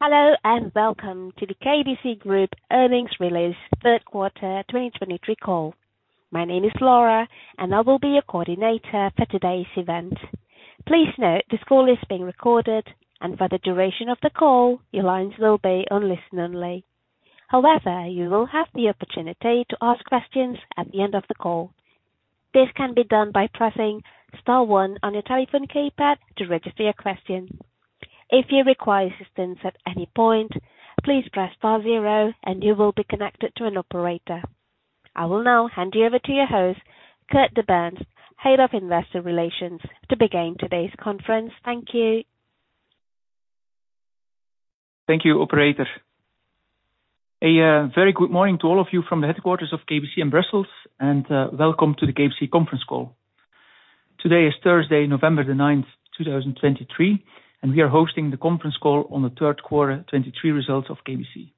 Hello, and welcome to the KBC Group Earnings Release third quarter 2023 call. My name is Laura, and I will be your coordinator for today's event. Please note, this call is being recorded, and for the duration of the call, your lines will be on listen only. However, you will have the opportunity to ask questions at the end of the call. This can be done by pressing star one on your telephone keypad to register your question. If you require assistance at any point, please press star zero, and you will be connected to an operator. I will now hand you over to your host, Kurt De Baenst, Head of Investor Relations, to begin today's conference. Thank you. Thank you, operator. A very good morning to all of you from the headquarters of KBC in Brussels, and welcome to the KBC conference call. Today is Thursday, November 9, 2023, and we are hosting the conference call on the third quarter 2023 results of KBC.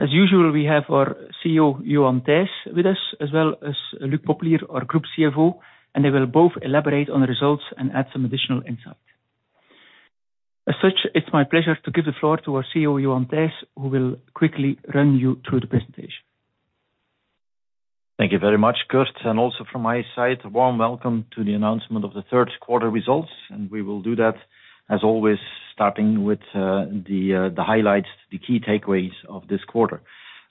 As usual, we have our CEO, Johan Thijs, with us, as well as Luc Popelier, our Group CFO, and they will both elaborate on the results and add some additional insight. As such, it's my pleasure to give the floor to our CEO, Johan Thijs, who will quickly run you through the presentation. Thank you very much, Kurt, and also from my side, a warm welcome to the announcement of the third quarter results. We will do that, as always, starting with the highlights, the key takeaways of this quarter.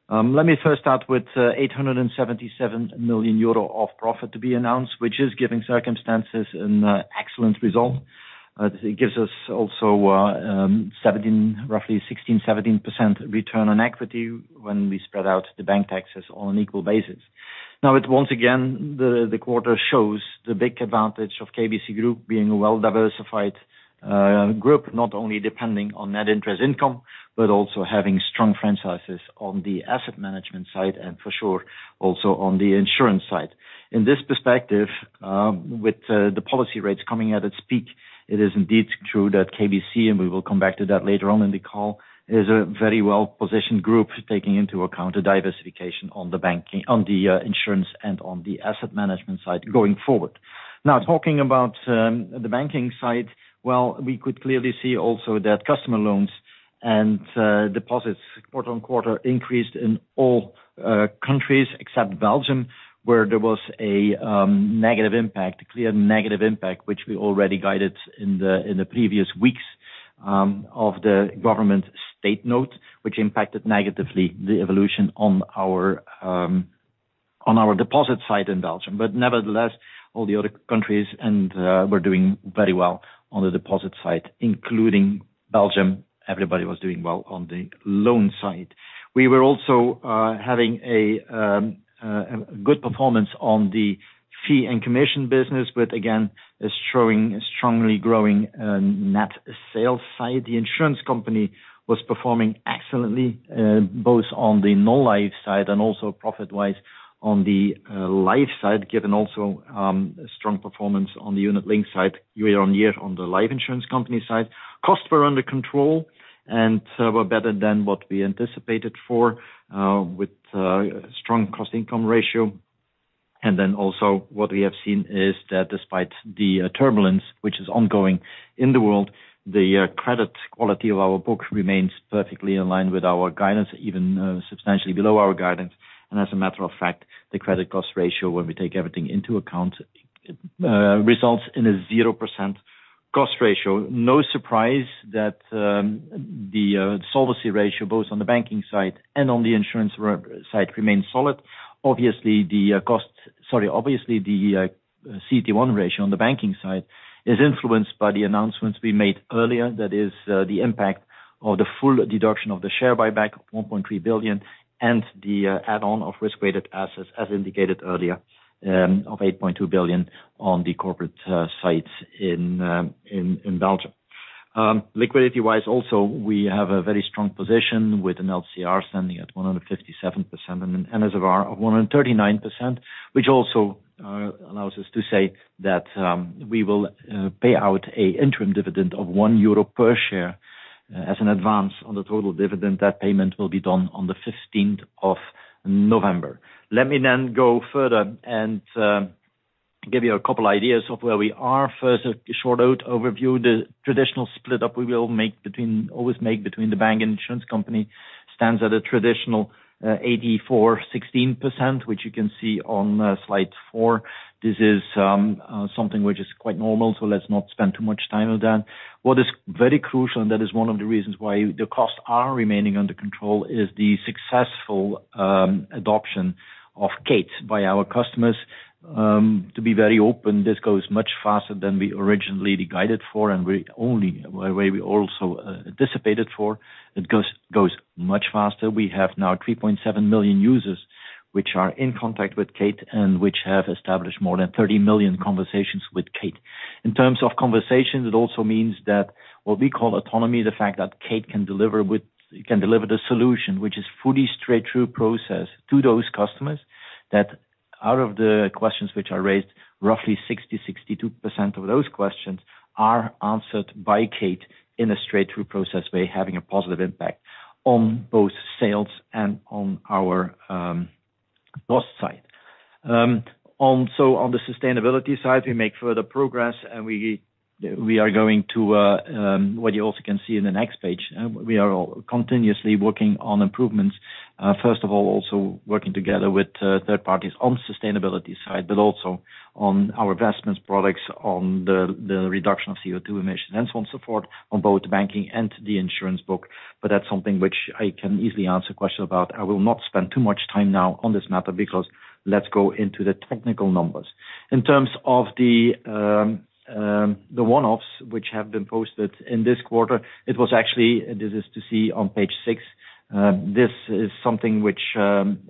Let me first start with 877 million euro of profit to be announced, which is, given circumstances, an excellent result. It gives us also roughly 16%-17% return on equity when we spread out the bank taxes on an equal basis. Now, it once again shows the big advantage of KBC Group being a well-diversified group, not only depending on net interest income, but also having strong franchises on the asset management side, and for sure, also on the insurance side. In this perspective, with the policy rates coming at its peak, it is indeed true that KBC, and we will come back to that later on in the call, is a very well-positioned group, taking into account the diversification on the banking, on the insurance, and on the asset management side going forward. Now, talking about the banking side, well, we could clearly see also that customer loans and deposits quarter-on-quarter increased in all countries except Belgium, where there was a negative impact, a clear negative impact, which we already guided in the previous weeks of the government State Note, which impacted negatively the evolution on our deposit side in Belgium. But nevertheless, all the other countries and we're doing very well on the deposit side, including Belgium. Everybody was doing well on the loan side. We were also having a good performance on the fee and commission business, but again, is showing a strongly growing net sales side. The insurance company was performing excellently both on the non-life side and also profit-wise on the life side, given also strong performance on the unit-linked side, year-on-year on the life insurance company side. Costs were under control, and were better than what we anticipated for with strong cost-income ratio. And then also, what we have seen is that despite the turbulence, which is ongoing in the world, the credit quality of our book remains perfectly in line with our guidance, even substantially below our guidance. As a matter of fact, the credit cost ratio, when we take everything into account, results in a 0% cost ratio. No surprise that the solvency ratio, both on the banking side and on the insurance side, remains solid. Obviously, the CET1 ratio on the banking side is influenced by the announcements we made earlier. That is, the impact of the full deduction of the share buyback of 1.3 billion, and the add-on of risk-weighted assets, as indicated earlier, of 8.2 billion on the corporate side in Belgium. Liquidity-wise also, we have a very strong position with an LCR standing at 157% and an NSFR of 139%, which also allows us to say that we will pay out an interim dividend of 1 euro per share as an advance on the total dividend. That payment will be done on the fifteenth of November. Let me then go further and give you a couple ideas of where we are. First, a short overview. The traditional split up we will make between always make between the bank and insurance company stands at a traditional 84-16%, which you can see on slide 4. This is something which is quite normal, so let's not spend too much time on that. What is very crucial, and that is one of the reasons why the costs are remaining under control, is the successful adoption of Kate by our customers. To be very open, this goes much faster than we originally guided for, and we only where we also anticipated for. It goes, goes much faster. We have now 3.7 million users, which are in contact with Kate, and which have established more than 30 million conversations with Kate. In terms of conversations, it also means that what we call autonomy, the fact that Kate can deliver the solution, which is fully straight-through process to those customers, that out of the questions which are raised, roughly 62% of those questions are answered by Kate in a straight-through process, by having a positive impact on both sales and on our cost side. So on the sustainability side, we make further progress, and we are going to what you also can see in the next page, we are all continuously working on improvements. First of all, also working together with third parties on sustainability side, but also on our investment products, on the reduction of CO2 emissions, and so on, so forth, on both banking and the insurance book. But that's something which I can easily answer question about. I will not spend too much time now on this matter, because let's go into the technical numbers. In terms of the one-offs which have been posted in this quarter, it was actually, this is to see on page six. This is something which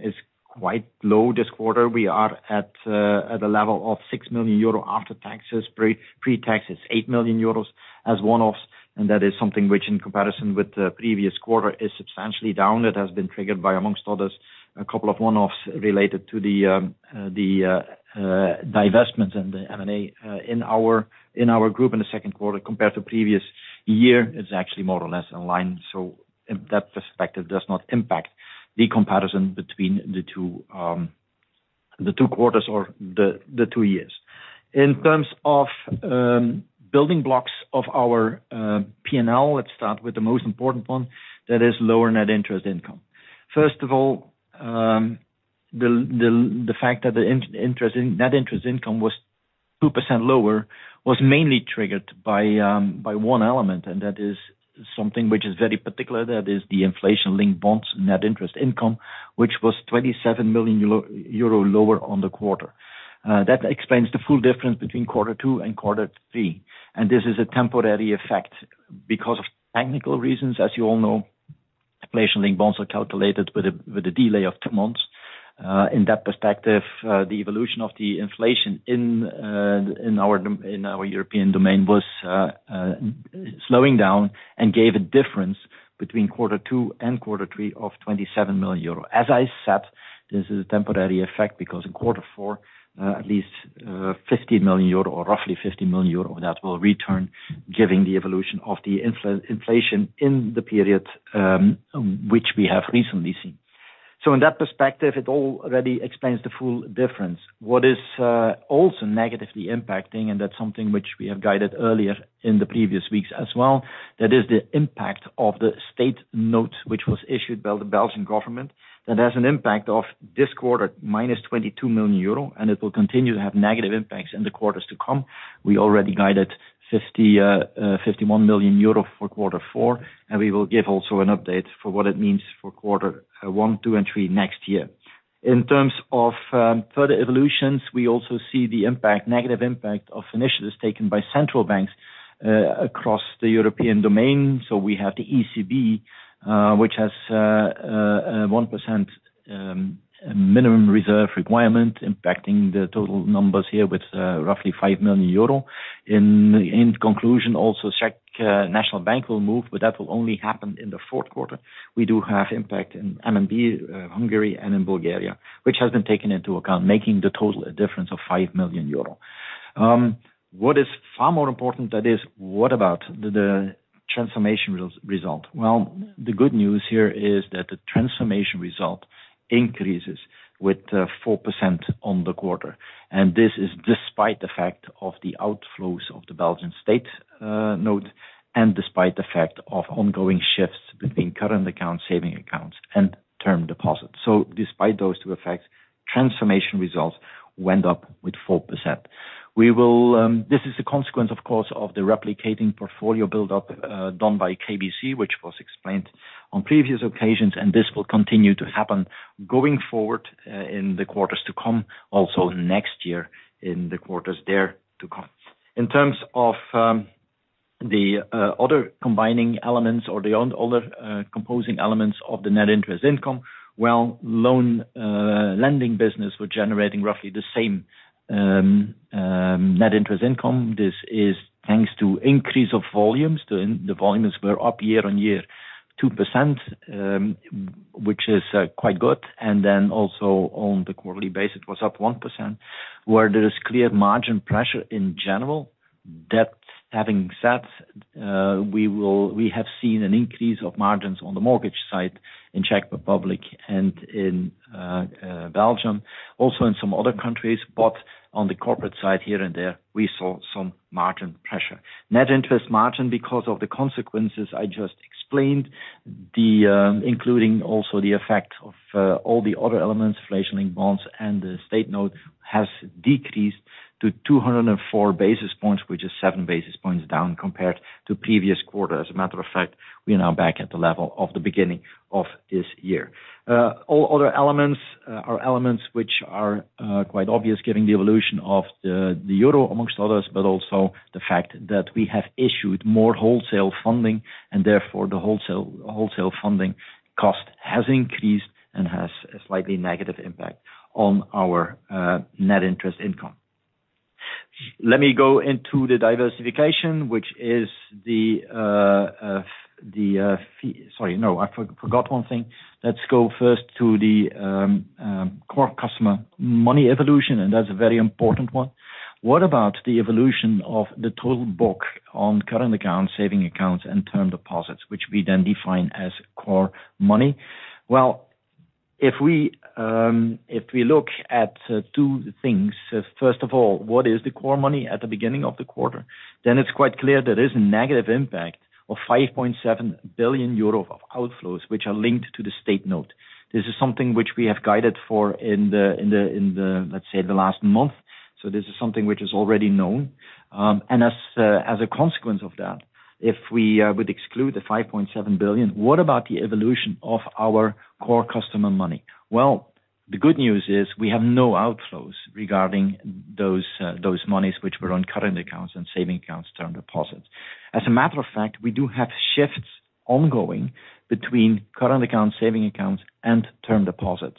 is quite low this quarter. We are at a level of 6 million euro after taxes, pre-tax is 8 million euros as one-offs, and that is something which, in comparison with the previous quarter, is substantially down. It has been triggered by, among others, a couple of one-offs related to the divestments and the M&A in our group in the second quarter, compared to previous year, is actually more or less in line. So in that perspective, does not impact the comparison between the two quarters or the two years. In terms of building blocks of our PNL, let's start with the most important one, that is lower net interest income. First of all, the fact that the net interest income was -2% was mainly triggered by one element, and that is something which is very particular. That is the inflation-linked bonds net interest income, which was 27 million euro lower on the quarter. That explains the full difference between quarter two and quarter three, and this is a temporary effect because of technical reasons. As you all know, inflation-linked bonds are calculated with a delay of two months. In that perspective, the evolution of the inflation in our European domain was slowing down and gave a difference between quarter two and quarter three of 27 million euro. As I said, this is a temporary effect because in quarter four, at least 50 million euro or roughly 50 million euro, that will return, giving the evolution of the inflation in the period, which we have recently seen. So in that perspective, it already explains the full difference. What is also negatively impacting, and that's something which we have guided earlier in the previous weeks as well, that is the impact of the State Note, which was issued by the Belgian government. That has an impact of this quarter, -22 million euro, and it will continue to have negative impacts in the quarters to come. We already guided 51 million euro for quarter four, and we will give also an update for what it means for quarter one, two, and three next year. In terms of further evolutions, we also see the impact, negative impact, of initiatives taken by central banks across the European domain. So we have the ECB, which has a 1% minimum reserve requirement, impacting the total numbers here with roughly 5 million euro. In conclusion, also, Czech National Bank will move, but that will only happen in the fourth quarter. We do have impact in MNB, Hungary and in Bulgaria, which has been taken into account, making the total a difference of 5 million euro. What is far more important, that is, what about the transformation result? Well, the good news here is that the transformation result increases with 4% on the quarter, and this is despite the fact of the outflows of the Belgian State Note, and despite the fact of ongoing shifts between current account, saving accounts, and term deposits. So despite those two effects, transformation results went up with 4%. This is a consequence, of course, of the replicating portfolio build-up done by KBC, which was explained on previous occasions, and this will continue to happen going forward in the quarters to come, also next year, in the quarters there to come. In terms of the other combining elements or the other composing elements of the net interest income, well, loan lending business were generating roughly the same net interest income. This is thanks to increase of volumes, the volumes were up year-on-year 2%, which is quite good, and then also on the quarterly basis was up 1%. Where there is clear margin pressure in general, that having said, we have seen an increase of margins on the mortgage side in Czech Republic and in Belgium, also in some other countries, but on the corporate side, here and there, we saw some margin pressure. Net interest margin, because of the consequences I just explained, including also the effect of all the other elements, redemption bonds and the State Note, has decreased to 204 basis points, which is 7 basis points down compared to previous quarter. As a matter of fact, we are now back at the level of the beginning of this year. All other elements are elements which are quite obvious, given the evolution of the euro, amongst others, but also the fact that we have issued more wholesale funding, and therefore, the wholesale funding cost has increased and has a slightly negative impact on our net interest income. Let me go into the diversification, which is the... Sorry, no, I forgot one thing. Let's go first to the core customer money evolution, and that's a very important one. What about the evolution of the total book on current accounts, saving accounts, and term deposits, which we then define as core money? Well, if we look at two things, first of all, what is the core money at the beginning of the quarter? Then it's quite clear there is a negative impact of 5.7 billion euros of outflows, which are linked to the State Note. This is something which we have guided for in the, let's say, the last month, so this is something which is already known. And as a consequence of that, if we would exclude the 5.7 billion, what about the evolution of our core customer money? Well, the good news is we have no outflows regarding those monies, which were on current accounts and saving accounts, term deposits. As a matter of fact, we do have shifts ongoing between current accounts, saving accounts, and term deposits.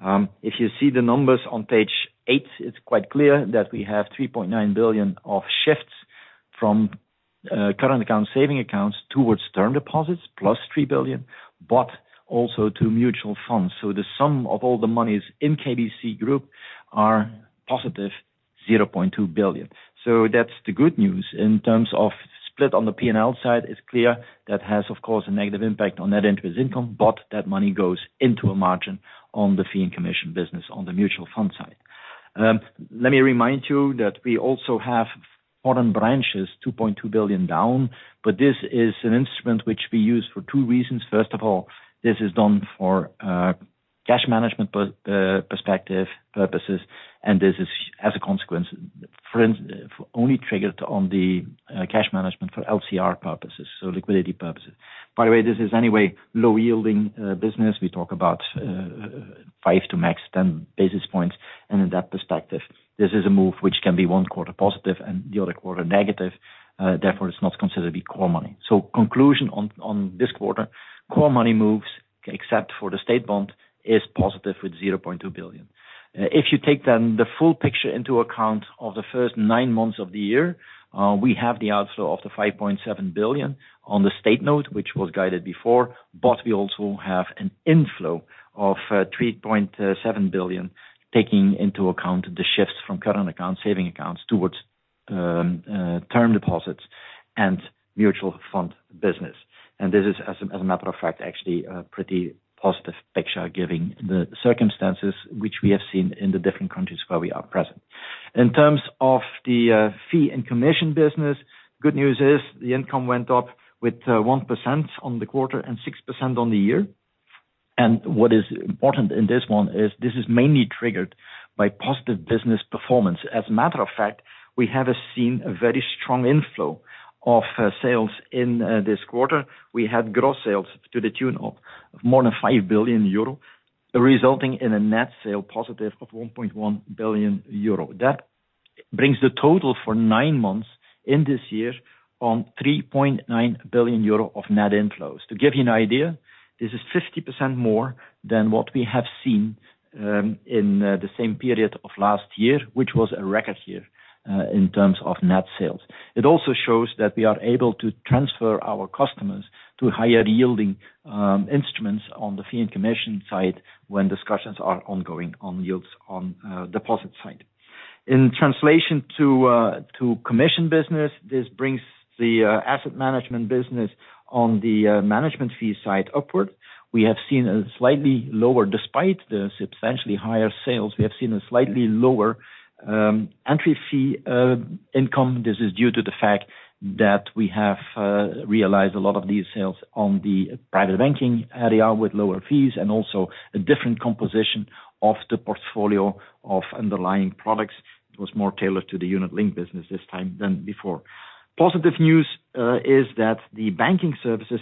If you see the numbers on page 8, it's quite clear that we have 3.9 billion of shifts from current accounts, savings accounts towards term deposits, +3 billion, but also to mutual funds. So the sum of all the monies in KBC Group are positive 0.2 billion. So that's the good news. In terms of split on the P&L side, it's clear that has, of course, a negative impact on net interest income, but that money goes into a margin on the fee and commission business on the mutual fund side. Let me remind you that we also have foreign branches, 2.2 billion down, but this is an instrument which we use for two reasons. First of all, this is done for cash management perspective purposes, and this is, as a consequence, for inflows only triggered on the cash management for LCR purposes, so liquidity purposes. By the way, this is anyway low yielding business. We talk about 5 to max 10 basis points, and in that perspective, this is a move which can be one quarter positive and the other quarter negative, therefore, it's not considered to be core money. So conclusion on this quarter, core money moves, except for the state bond, is positive with 0.2 billion. If you take then the full picture into account of the first nine months of the year, we have the outflow of 5.7 billion on the State Note, which was guided before, but we also have an inflow of 3.7 billion, taking into account the shifts from current accounts, saving accounts towards term deposits and mutual fund business. And this is as a matter of fact, actually a pretty positive picture, given the circumstances which we have seen in the different countries where we are present. In terms of the fee and commission business, good news is the income went up with 1% on the quarter and 6% on the year. And what is important in this one is this is mainly triggered by positive business performance. As a matter of fact, we have seen a very strong inflow of sales in this quarter. We had gross sales to the tune of more than 5 billion euro, resulting in a net sale positive of 1.1 billion euro. That brings the total for nine months in this year on 3.9 billion euro of net inflows. To give you an idea, this is 50% more than what we have seen in the same period of last year, which was a record year in terms of net sales. It also shows that we are able to transfer our customers to higher yielding instruments on the fee and commission side when discussions are ongoing on yields on deposit side. In translation to commission business, this brings the asset management business on the management fee side upward. We have seen a slightly lower, despite the substantially higher sales, we have seen a slightly lower entry fee income. This is due to the fact that we have realized a lot of these sales on the private banking area with lower fees and also a different composition of the portfolio of underlying products. It was more tailored to the unit-linked business this time than before. Positive news is that the banking services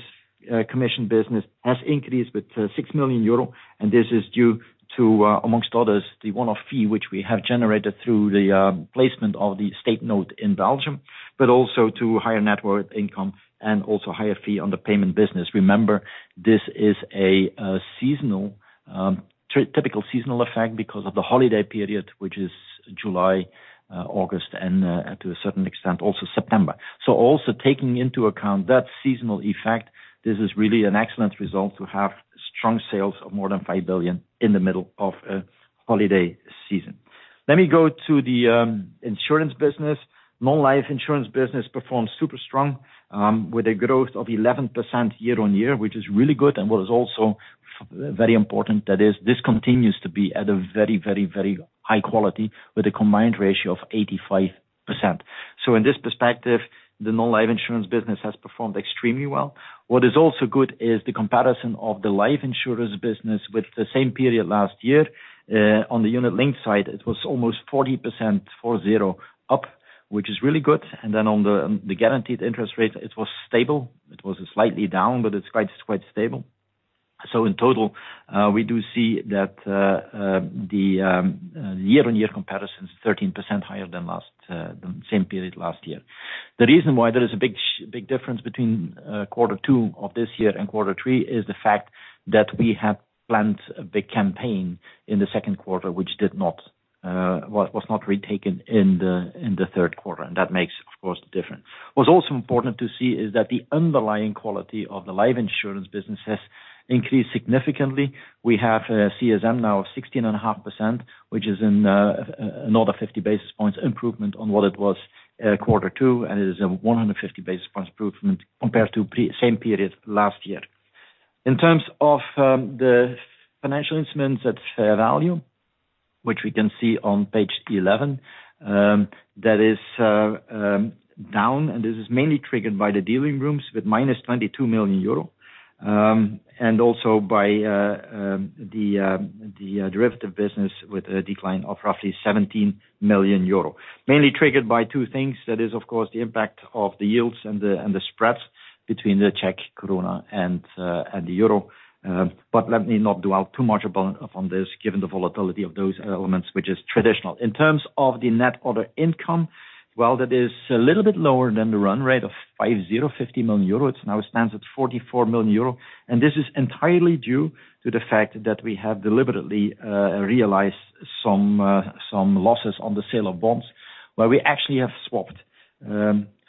commission business has increased with 6 million euro, and this is due to, among others, the one-off fee, which we have generated through the placement of the State Note in Belgium, but also to higher net worth income and also higher fee on the payment business. Remember, this is a seasonal, typical seasonal effect because of the holiday period, which is July, August, and to a certain extent, also September. So also taking into account that seasonal effect, this is really an excellent result to have strong sales of more than 5 billion in the middle of a holiday season. Let me go to the insurance business. Non-life insurance business performs super strong with a growth of 11% year-on-year, which is really good, and what is also very important that is, this continues to be at a very, very, very high quality with a combined ratio of 85%. So in this perspective, the non-life insurance business has performed extremely well. What is also good is the comparison of the life insurance business with the same period last year. On the unit-linked side, it was almost 40%, 40 up, which is really good. Then on the guaranteed interest rate, it was stable. It was slightly down, but it's quite stable. So in total, we do see that the year-on-year comparison is 13% higher than the same period last year. The reason why there is a big difference between quarter two of this year and quarter three is the fact that we have planned a big campaign in the second quarter, which was not retaken in the third quarter, and that makes, of course, the difference. What's also important to see is that the underlying quality of the life insurance businesses increased significantly. We have CSM now of 16.5%, which is another 50 basis points improvement on what it was quarter two, and it is a 150 basis points improvement compared to the same period last year. In terms of the financial instruments at fair value, which we can see on page 11, that is down, and this is mainly triggered by the dealing rooms with -22 million euro. And also by the derivative business with a decline of roughly 17 million euro. Mainly triggered by two things, that is, of course, the impact of the yields and the spreads between the Czech koruna and the euro. But let me not dwell too much upon this, given the volatility of those elements, which is traditional. In terms of the net other income, well, that is a little bit lower than the run rate of 50 million euro. It now stands at 44 million euro, and this is entirely due to the fact that we have deliberately realized some losses on the sale of bonds, where we actually have swapped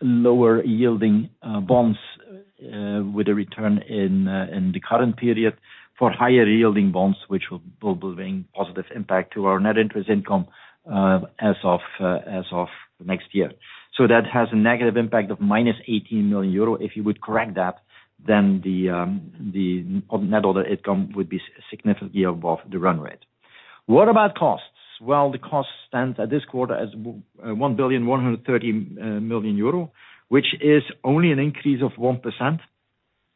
lower yielding bonds with a return in the current period, for higher yielding bonds, which will bring positive impact to our net interest income as of next year. So that has a negative impact of -18 million euro. If you would correct that, then the net other income would be significantly above the run rate. What about costs? Well, the cost stands at this quarter as 1.13 billion euro, which is only an increase of 1%,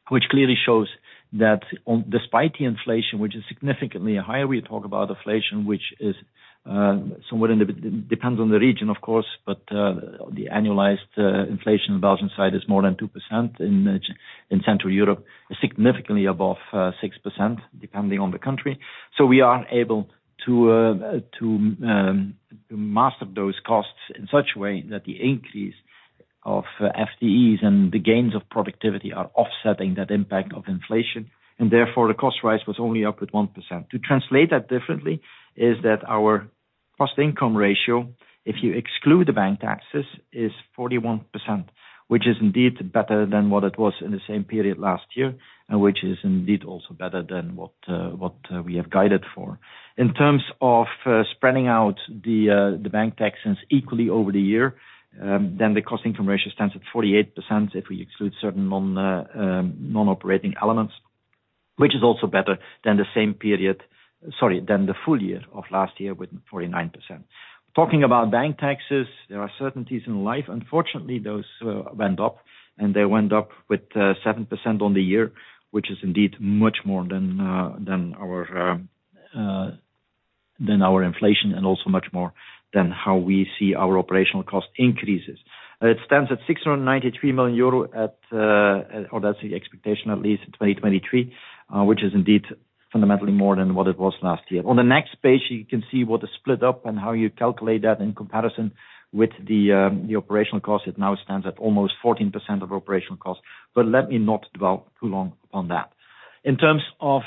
which clearly shows that on despite the inflation, which is significantly higher, we talk about inflation, which is somewhat in the... Depends on the region, of course, but the annualized inflation Belgian side is more than 2%. In in Central Europe, is significantly above 6%, depending on the country. So we are able to to master those costs in such a way that the increase of FTEs and the gains of productivity are offsetting that impact of inflation, and therefore, the cost rise was only up with 1%. To translate that differently, our cost income ratio, if you exclude the bank taxes, is 41%, which is indeed better than what it was in the same period last year, and which is indeed also better than what we have guided for. In terms of spreading out the bank taxes equally over the year, then the cost income ratio stands at 48% if we exclude certain non-operating elements, which is also better than the same period. Sorry, than the full year of last year, with 49%. Talking about bank taxes, there are certainties in life. Unfortunately, those went up, and they went up with 7% on the year, which is indeed much more than our inflation, and also much more than how we see our operational cost increases. It stands at 693 million euro, or that's the expectation, at least in 2023, which is indeed fundamentally more than what it was last year. On the next page, you can see what is split up and how you calculate that in comparison with the operational cost. It now stands at almost 14% of operational cost, but let me not dwell too long on that. In terms of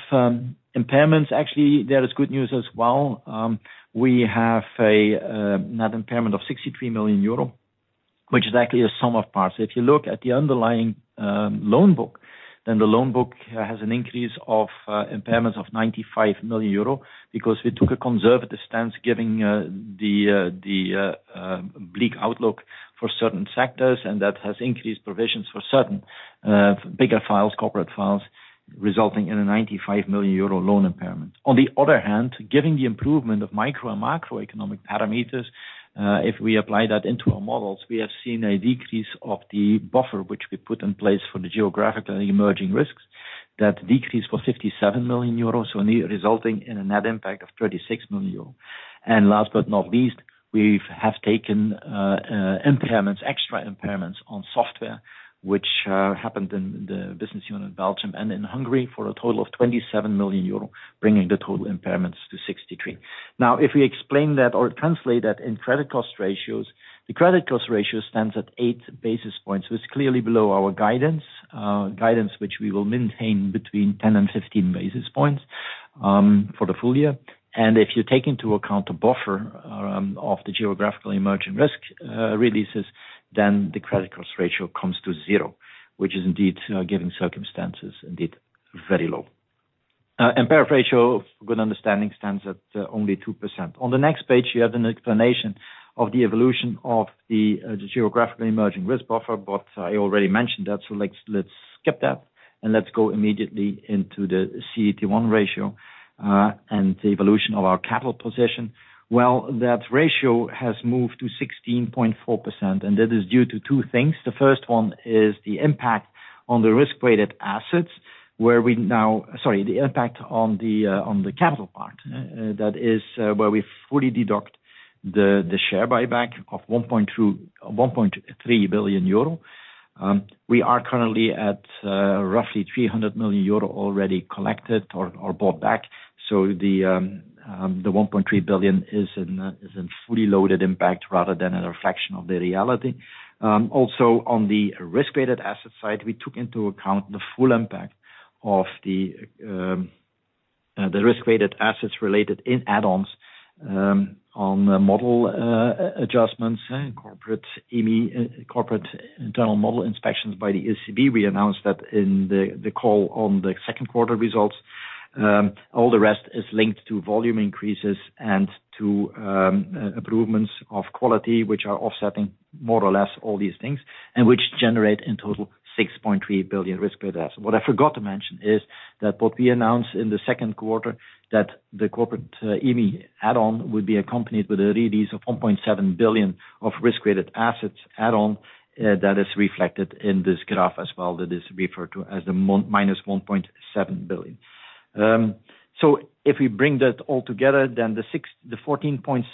impairments, actually, there is good news as well. We have a net impairment of 63 million euro, which is actually a sum of parts. If you look at the underlying loan book, then the loan book has an increase of impairments of 95 million euro because we took a conservative stance, giving the bleak outlook for certain sectors, and that has increased provisions for certain bigger files, corporate files, resulting in a 95 million euro loan impairment. On the other hand, giving the improvement of micro and macroeconomic parameters, if we apply that into our models, we have seen a decrease of the buffer, which we put in place for the geographical and emerging risks. That decreased for 57 million euros, so resulting in a net impact of 36 million euros. And last but not least, we have taken impairments, extra impairments, on software, which happened in the business unit in Belgium and in Hungary, for a total of 27 million euro, bringing the total impairments to 63 million. Now, if we explain that, or translate that in credit cost ratios, the credit cost ratio stands at 8 basis points, so it's clearly below our guidance. Guidance, which we will maintain between 10 and 15 basis points, for the full year. And if you take into account the buffer of the geographical emerging risk releases, then the credit cost ratio comes to zero, which is indeed, given circumstances, indeed, very low. Impairment ratio, good understanding, stands at only 2%. On the next page, you have an explanation of the evolution of the geographical emerging risk buffer, but I already mentioned that, so let's skip that, and let's go immediately into the CET1 ratio and the evolution of our capital position. Well, that ratio has moved to 16.4%, and that is due to two things. The first one is the impact on the capital part, that is, where we fully deduct the share buyback of 1.2-1.3 billion euro. We are currently at roughly 300 million euro already collected or bought back, so the 1.3 billion is in fully loaded impact, rather than a reflection of the reality. Also, on the risk-weighted asset side, we took into account the full impact of the risk-weighted assets related in add-ons, on the model, adjustments and corporate internal model inspections by the ECB. We announced that in the call on the second quarter results. All the rest is linked to volume increases and to improvements of quality, which are offsetting more or less all these things, and which generate, in total, 6.3 billion risk-weighted assets. What I forgot to mention is that what we announced in the second quarter, that the corporate BE add-on would be accompanied with a release of 1.7 billion of risk-weighted assets add-on, that is reflected in this graph as well, that is referred to as the -1.7 billion. So if we bring that all together, then the 14.6%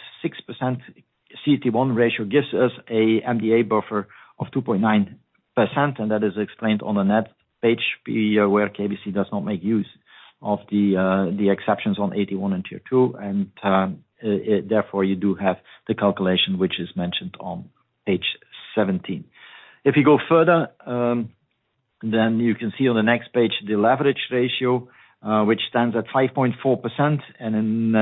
CET1 ratio gives us a MDA buffer of 2.9%, and that is explained on the next page, where KBC does not make use of the exceptions on AT1 and Tier 2, and therefore, you do have the calculation, which is mentioned on page 17. If you go further, then you can see on the next page, the leverage ratio, which stands at 5.4%, and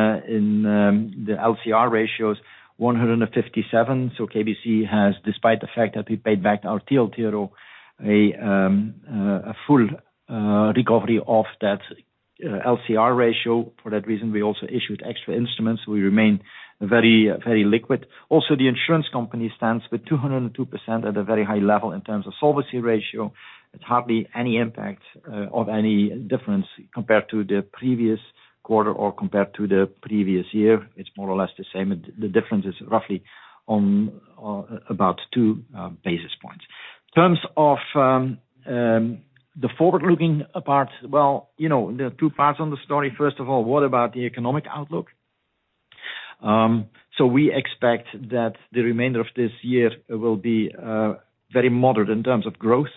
the LCR ratio is 157%. So KBC has, despite the fact that we paid back our TLTRO, a full recovery of that LCR ratio. For that reason, we also issued extra instruments. We remain very, very liquid. Also, the insurance company stands with 202% at a very high level in terms of solvency ratio. It's hardly any impact of any difference compared to the previous quarter or compared to the previous year. It's more or less the same. The difference is roughly on about 2 basis points. In terms of the forward-looking part, well, you know, there are two parts on the story. First of all, what about the economic outlook? So we expect that the remainder of this year will be very moderate in terms of growth.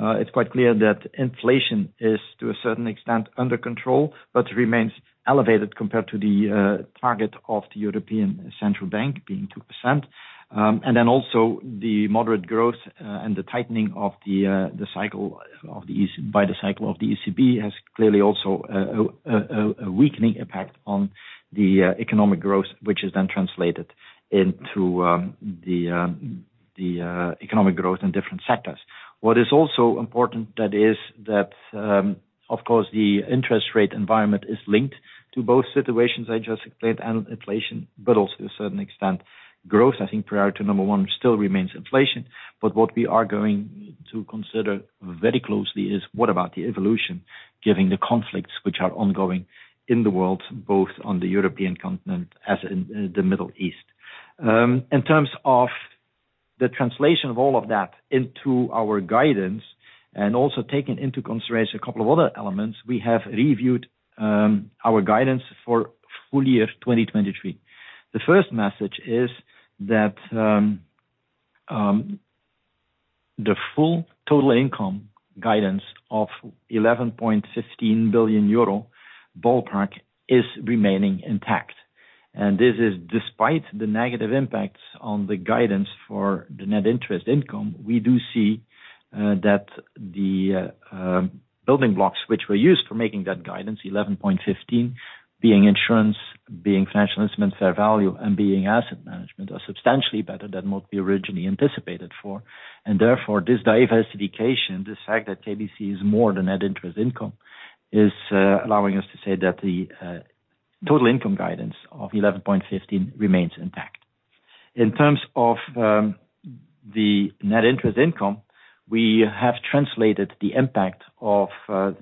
It's quite clear that inflation is, to a certain extent, under control, but remains elevated compared to the target of the European Central Bank, being 2%. And then also the moderate growth, and the tightening of the cycle of the ECB, has clearly also a weakening impact on the economic growth, which is then translated into the economic growth in different sectors. What is also important, that is that, of course, the interest rate environment is linked to both situations I just explained, and inflation, but also to a certain extent, growth. I think priority number one still remains inflation. But what we are going to consider very closely is, what about the evolution, given the conflicts which are ongoing in the world, both on the European continent as in the Middle East? In terms of the translation of all of that into our guidance, and also taking into consideration a couple of other elements, we have reviewed our guidance for full year 2023. The first message is that the full total income guidance of 11.15 billion euro ballpark is remaining intact, and this is despite the negative impacts on the guidance for the net interest income. We do see that the building blocks which were used for making that guidance, eleven point fifteen, being insurance, being financial investment, fair value, and being asset management, are substantially better than what we originally anticipated for. Therefore, this diversification, the fact that KBC is more than net interest income, is allowing us to say that the total income guidance of eleven point fifteen remains intact. In terms of the net interest income, we have translated the impact of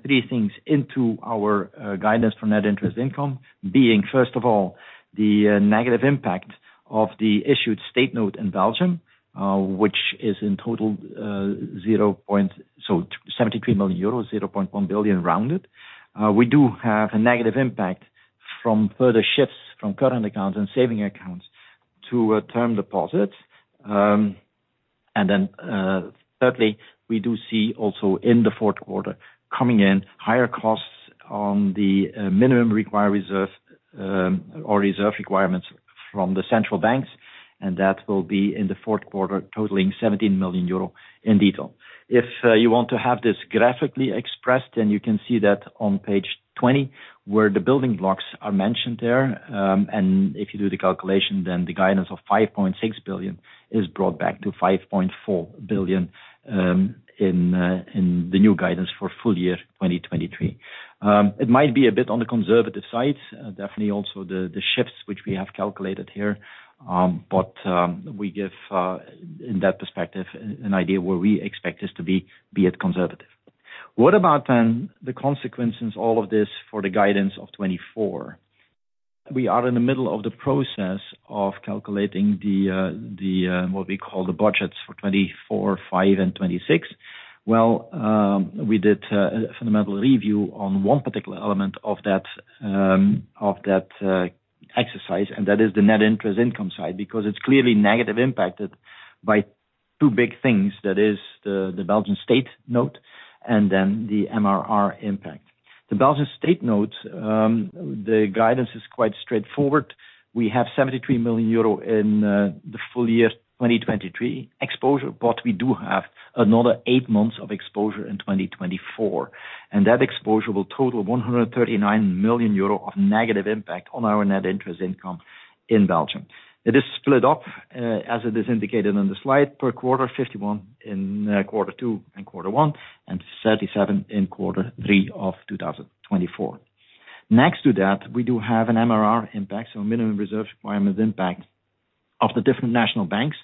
three things into our guidance for net interest income. Being, first of all, the negative impact of the issued State Note in Belgium, which is in total 73 million euros, 0.1 billion, rounded. We do have a negative impact from further shifts from current accounts and saving accounts to term deposits. And then, thirdly, we do see also in the fourth quarter, coming in, higher costs on the minimum required reserve or reserve requirements from the central banks, and that will be in the fourth quarter, totaling 17 million euro in detail. If you want to have this graphically expressed, then you can see that on page 20, where the building blocks are mentioned there. And if you do the calculation, then the guidance of 5.6 billion is brought back to 5.4 billion, in the new guidance for full year 2023. It might be a bit on the conservative side, definitely also the shifts which we have calculated here. But we give in that perspective an idea where we expect this to be, be it conservative. What about the consequences, all of this, for the guidance of 2024? We are in the middle of the process of calculating what we call the budgets for 2024, 2025, and 2026. Well, we did a fundamental review on one particular element of that, of that exercise, and that is the net interest income side, because it's clearly negative impacted. by two big things, that is the Belgian State Note, and then the MRR impact. The Belgian State Note, the guidance is quite straightforward. We have 73 million euro in the full year, 2023 exposure, but we do have another eight months of exposure in 2024, and that exposure will total 139 million euro of negative impact on our net interest income in Belgium. It is split up, as it is indicated on the slide per quarter, 51 in quarter two and quarter one, and 37 in quarter three of 2024. Next to that, we do have an MRR impact, so minimum reserve requirements impact of the different national banks.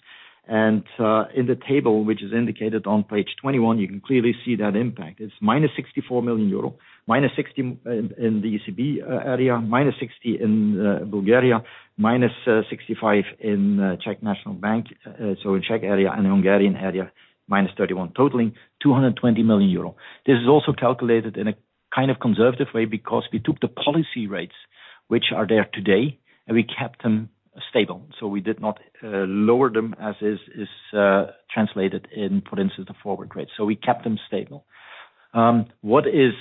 In the table, which is indicated on page 21, you can clearly see that impact. It's -64 million euro, -60 million in the ECB area, -60 million in Bulgaria, -65 million in Czech National Bank, so in Czech area and Hungarian area, -31, totaling 220 million euro. This is also calculated in a kind of conservative way, because we took the policy rates, which are there today, and we kept them stable. So we did not lower them, as is translated in, for instance, the forward rate. So we kept them stable. What is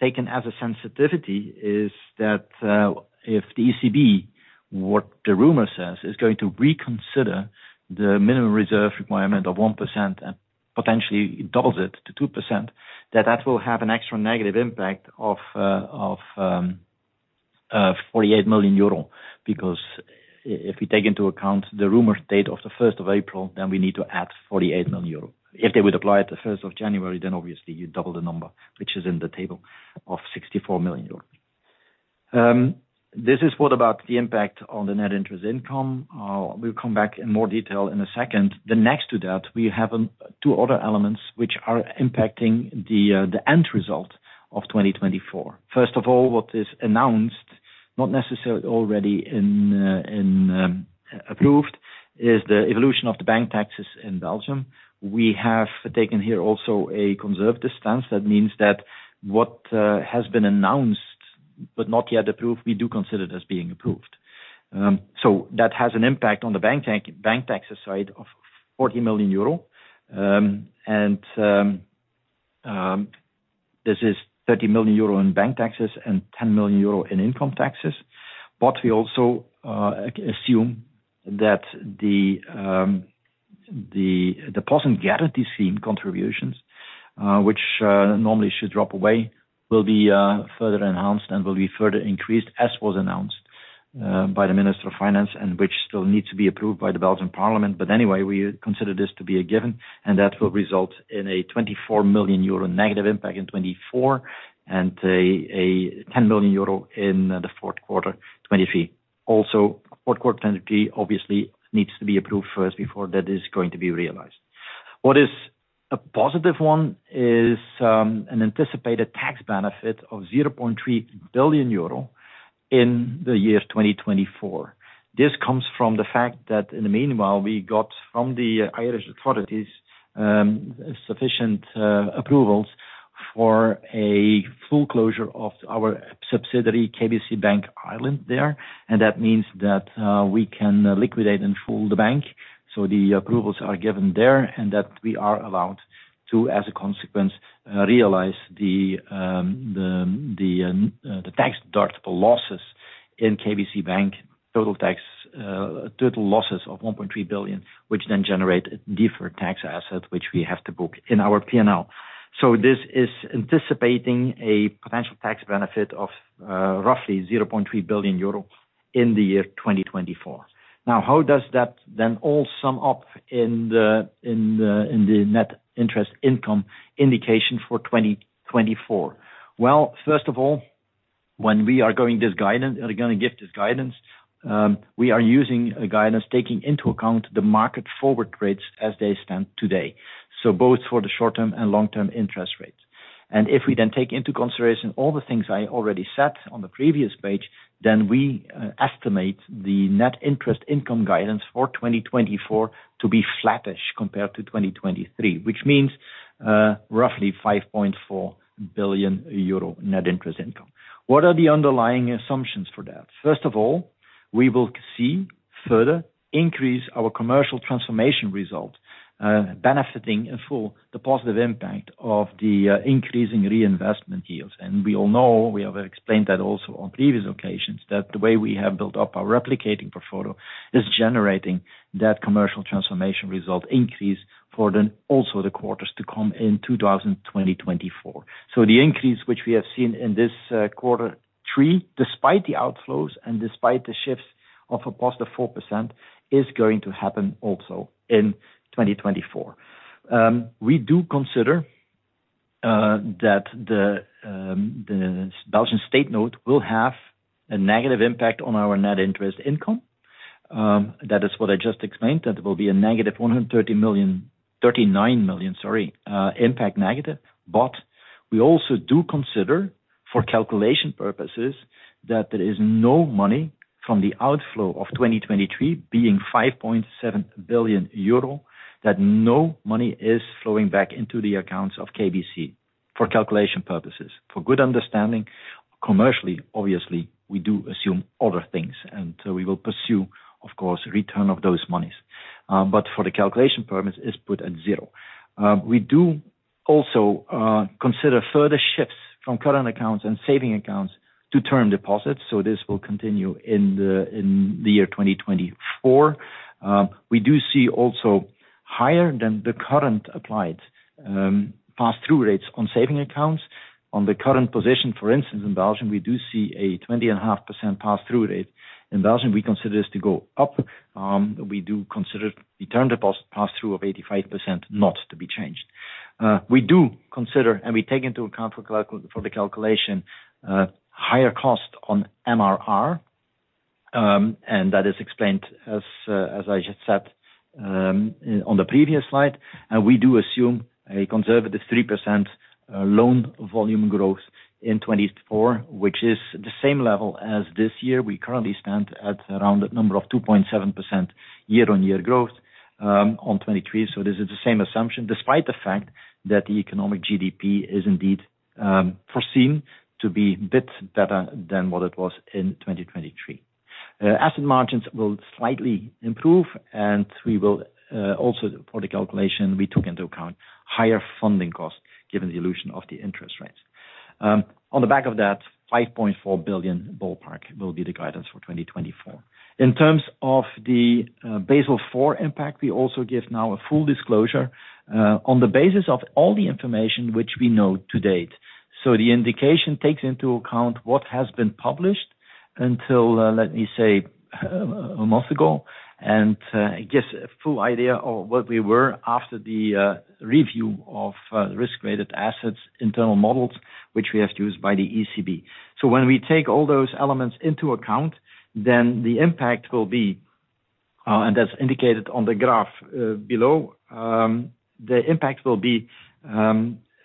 taken as a sensitivity is that, if the ECB, what the rumor says, is going to reconsider the minimum reserve requirement of 1% and potentially doubles it to 2%, that that will have an extra negative impact of -48 million euro. Because if we take into account the rumor date of the first of April, then we need to add 48 million euros. If they would apply it the first of January, then obviously you double the number, which is in the table of 64 million euros. This is what about the impact on the net interest income? We'll come back in more detail in a second. Then next to that, we have two other elements which are impacting the end result of 2024. First of all, what is announced, not necessarily already approved, is the evolution of the bank taxes in Belgium. We have taken here also a conservative stance. That means that what has been announced, but not yet approved, we do consider it as being approved. So that has an impact on the bank tax, bank taxes side of 40 million euro. And this is 30 million euro in bank taxes and 10 million euro in income taxes. But we also assume that the deposit guarantee scheme contributions, which normally should drop away, will be further enhanced and will be further increased, as was announced by the Minister of Finance, and which still needs to be approved by the Belgian Parliament. But anyway, we consider this to be a given, and that will result in a 24 million euro negative impact in 2024, and a 10 million euro in the fourth quarter 2023. Also, fourth quarter 2023 obviously needs to be approved first before that is going to be realized. What is a positive one is, an anticipated tax benefit of 0.3 billion euro in the year 2024. This comes from the fact that in the meanwhile, we got from the Irish authorities, sufficient approvals for a full closure of our subsidiary, KBC Bank Ireland there. And that means that, we can liquidate in full the bank. So the approvals are given there, and that we are allowed to, as a consequence, realize the tax deductible losses in KBC Bank. Total tax total losses of 1.3 billion, which then generate deferred tax assets, which we have to book in our P&L. So this is anticipating a potential tax benefit of, roughly 0.3 billion euro in the year 2024. Now, how does that then all sum up in the net interest income indication for 2024? Well, first of all, when we are going this guidance, are gonna give this guidance, we are using a guidance taking into account the market forward rates as they stand today, so both for the short-term and long-term interest rates. And if we then take into consideration all the things I already said on the previous page, then we estimate the net interest income guidance for 2024 to be flattish compared to 2023, which means, roughly 5.4 billion euro net interest income. What are the underlying assumptions for that? First of all, we will see further increase our commercial transformation results, benefiting in full the positive impact of the increasing reinvestment yields. We all know, we have explained that also on previous occasions, that the way we have built up our replicating portfolio is generating that commercial transformation result increase for then also the quarters to come in 2020-2024. The increase which we have seen in this quarter three, despite the outflows and despite the shifts of +4%, is going to happen also in 2024. We do consider that the Belgian State Note will have a negative impact on our net interest income. That is what I just explained, that there will be a negative 130 million, 39 million, sorry, impact negative. But we also do consider, for calculation purposes, that there is no money from the outflow of 2023, being 5.7 billion euro, that no money is flowing back into the accounts of KBC. For calculation purposes, for good understanding, commercially, obviously, we do assume other things, and so we will pursue, of course, return of those monies. But for the calculation purpose, it's put at zero. We do also consider further shifts from current accounts and saving accounts to term deposits, so this will continue in the year 2024. We do see also higher than the current applied pass-through rates on saving accounts. On the current position, for instance, in Belgium, we do see a 20.5% pass-through rate. In Belgium, we consider this to go up. We do consider the term deposits pass-through of 85% not to be changed. We do consider, and we take into account for the calculation higher cost on MRR, and that is explained as I just said on the previous slide. We do assume a conservative 3% loan volume growth in 2024, which is the same level as this year. We currently stand at around a number of 2.7% year-on-year growth on 2023. So this is the same assumption, despite the fact that the economic GDP is indeed foreseen to be bit better than what it was in 2023. Asset margins will slightly improve, and we will also, for the calculation, we took into account higher funding costs, given the evolution of the interest rates. On the back of that, 5.4 billion ballpark will be the guidance for 2024. In terms of the Basel IV impact, we also give now a full disclosure on the basis of all the information which we know to date. So the indication takes into account what has been published until let me say a month ago, and it gives a full idea of what we were after the review of risk-weighted assets, internal models, which we have used by the ECB. So when we take all those elements into account, then the impact will be, and as indicated on the graph below, the impact will be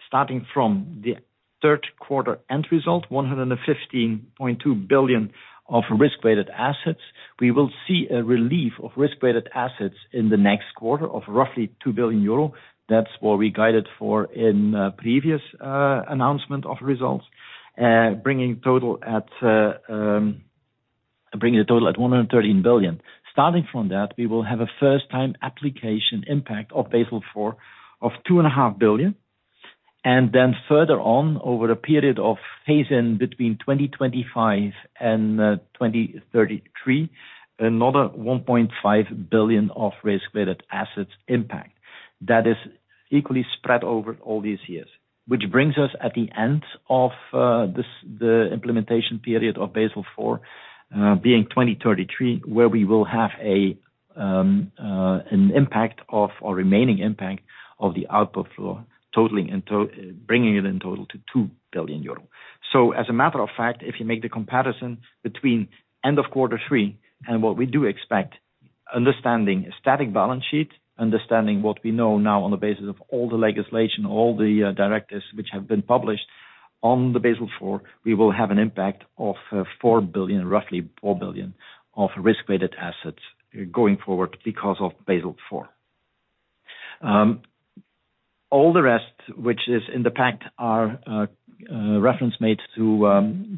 starting from the third quarter end result, 115.2 billion of risk-weighted assets. We will see a relief of risk-weighted assets in the next quarter of roughly 2 billion euro. That's what we guided for in previous announcement of results, bringing the total at 113 billion. Starting from that, we will have a first-time application impact of Basel IV of 2.5 billion, and then further on, over a period of phase-in between 2025 and 2033, another 1.5 billion of risk-weighted assets impact. That is equally spread over all these years, which brings us at the end of this the implementation period of Basel IV, being 2033, where we will have a an impact of, or remaining impact of the outflow, totaling in to bringing it in total to 2 billion euro. So as a matter of fact, if you make the comparison between end of quarter three and what we do expect, understanding a static balance sheet, understanding what we know now on the basis of all the legislation, all the directives which have been published on the Basel IV, we will have an impact of four billion, roughly 4 billion of risk-weighted assets going forward because of Basel IV. All the rest, which is in the pack, are reference made to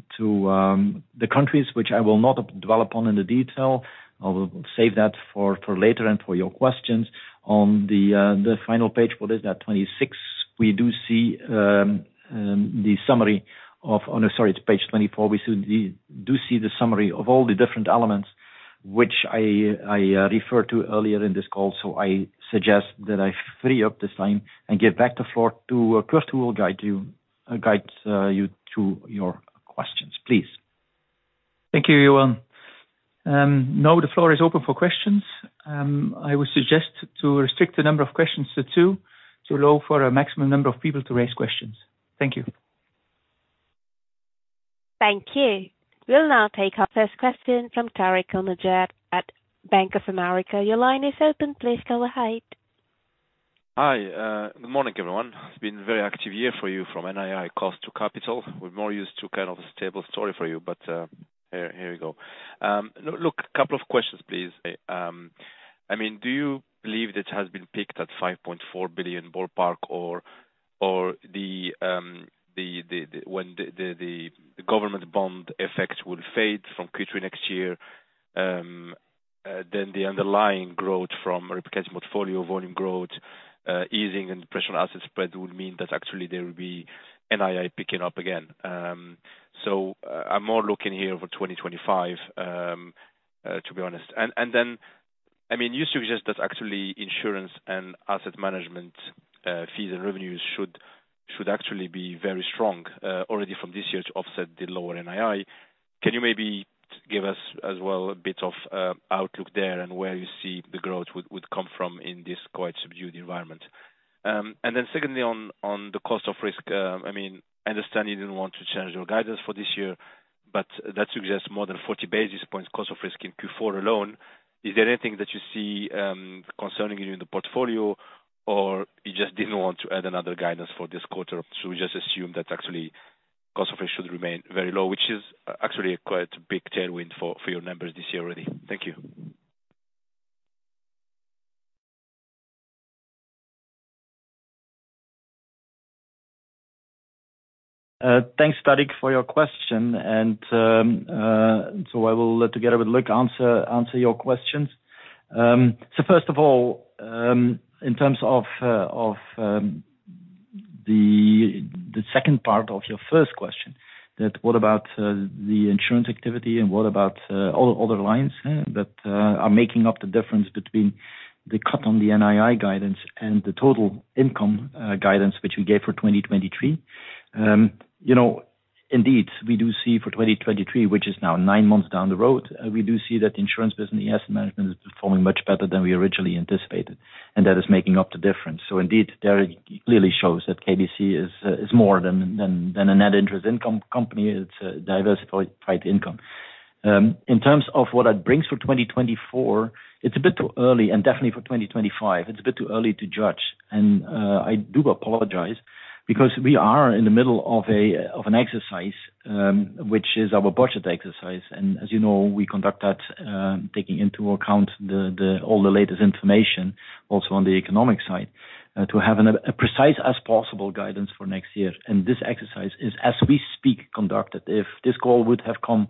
the countries which I will not develop on in the detail. I will save that for later and for your questions. On the final page, what is that, 26, we do see the summary of... Oh, no, sorry, it's page 24. We do, we do see the summary of all the different elements which I referred to earlier in this call, so I suggest that I free up this time and give back the floor to Kurt, who will guide you to your questions. Please. Thank you, Johan. Now the floor is open for questions. I would suggest to restrict the number of questions to two, to allow for a maximum number of people to raise questions. Thank you. Thank you. We'll now take our first question from Tarik El Mejjad at Bank of America. Your line is open. Please go ahead. Hi. Good morning, everyone. It's been a very active year for you from NII cost to capital. We're more used to kind of a stable story for you, but, here, here we go. Look, a couple of questions, please. I mean, do you believe it has been peaked at 5.4 billion ballpark or, or the, the, the, when the, the, the government bond effects will fade from Q3 next year, then the underlying growth from replication portfolio, volume growth, easing and pressure on asset spread will mean that actually there will be NII picking up again. So, I'm more looking here over 2025, to be honest. And then, I mean, you suggest that actually insurance and asset management fees and revenues should actually be very strong already from this year to offset the lower NII. Can you maybe give us as well a bit of outlook there and where you see the growth would come from in this quite subdued environment? And then secondly, on the cost of risk, I mean, I understand you didn't want to change your guidance for this year, but that suggests more than 40 basis points cost of risk in Q4 alone. Is there anything that you see concerning you in the portfolio, or you just didn't want to add another guidance for this quarter? We just assume that actually cost of risk should remain very low, which is actually quite a big tailwind for, for your numbers this year already. Thank you. Thanks, Tarik, for your question, and so I will, together with Luc, answer your questions. So first of all, in terms of the second part of your first question, that what about the insurance activity and what about all other lines that are making up the difference between the cut on the NII guidance and the total income guidance, which we gave for 2023? You know, indeed, we do see for 2023, which is now nine months down the road, we do see that insurance business, yes, management is performing much better than we originally anticipated, and that is making up the difference. So indeed, there it clearly shows that KBC is more than a net interest income company. It's a diversified income. In terms of what that brings for 2024, it's a bit too early, and definitely for 2025, it's a bit too early to judge. I do apologize because we are in the middle of an exercise, which is our budget exercise. As you know, we conduct that, taking into account all the latest information, also on the economic side, to have a precise as possible guidance for next year. This exercise is, as we speak, conducted. If this call would have come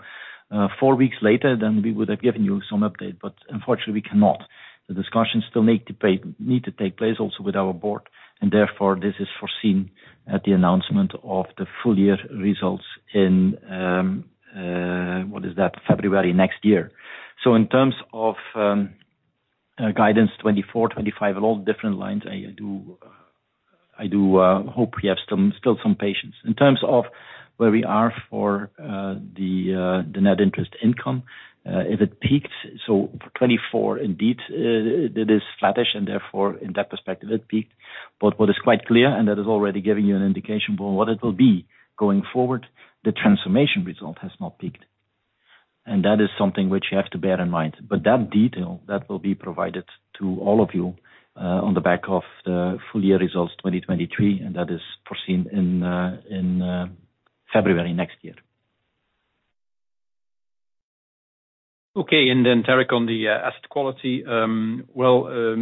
4 weeks later, then we would have given you some update, but unfortunately we cannot. The discussions still need to take place also with our board, and therefore, this is foreseen at the announcement of the full year results in, what is that? February next year. So in terms of guidance 2024, 2025, and all different lines, I do, I do hope you have some, still some patience. In terms of where we are for the net interest income, if it peaked, so for 2024, indeed, it is flattish, and therefore, in that perspective, it peaked. But what is quite clear, and that is already giving you an indication for what it will be going forward, the transformation result has not peaked, and that is something which you have to bear in mind. But that detail, that will be provided to all of you on the back of the full-year results, 2023, and that is foreseen in February next year. Okay, and then Tarik, on the asset quality, well,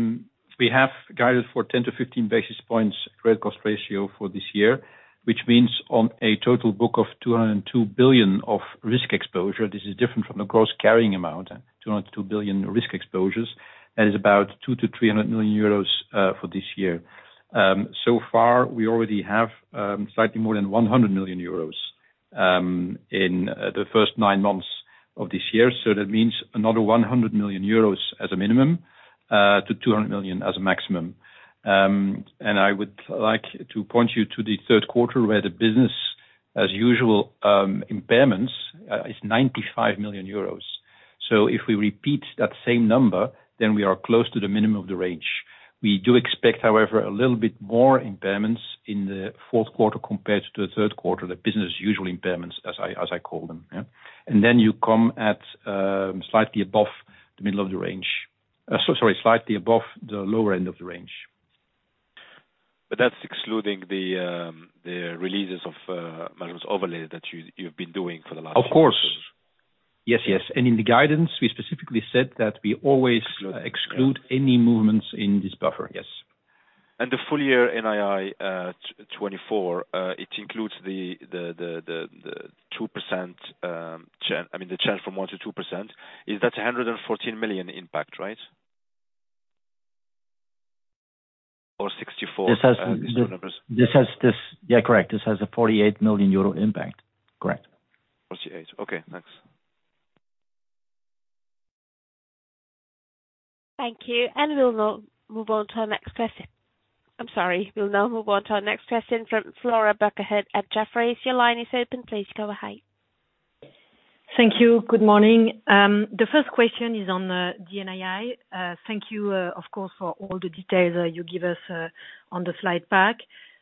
we have guided for 10-15 basis points credit cost ratio for this year, which means on a total book of 202 billion of risk exposure, this is different from the gross carrying amount, 202 billion risk exposures. That is about 200-300 million euros for this year. So far, we already have slightly more than 100 million euros in the first nine months of this year. So that means another 100 million euros as a minimum to 200 million as a maximum. And I would like to point you to the third quarter, where the business as usual impairments is 95 million euros. So if we repeat that same number, then we are close to the minimum of the range. We do expect, however, a little bit more impairments in the fourth quarter compared to the third quarter, the business usual impairments as I call them, yeah. And then you come at, slightly above the middle of the range. So sorry, slightly above the lower end of the range. But that's excluding the releases of overlays that you've been doing for the last- Of course. Yes, yes, and in the guidance, we specifically said that we always exclude any movements in this buffer. Yes. And the full year NII 2024, it includes the 2%, I mean, the change from 1%-2%, is that a 114 million impact, right? Or 64 million? This has, yeah, correct. This has a 48 million euro impact. Correct. Okay, thanks. Thank you, and we'll now move on to our next question. I'm sorry, we'll now move on to our next question from Flora Bocahut at Jefferies. Your line is open. Please go ahead. Thank you. Good morning. The first question is on the NII. Thank you, of course, for all the details you give us on the slide pack.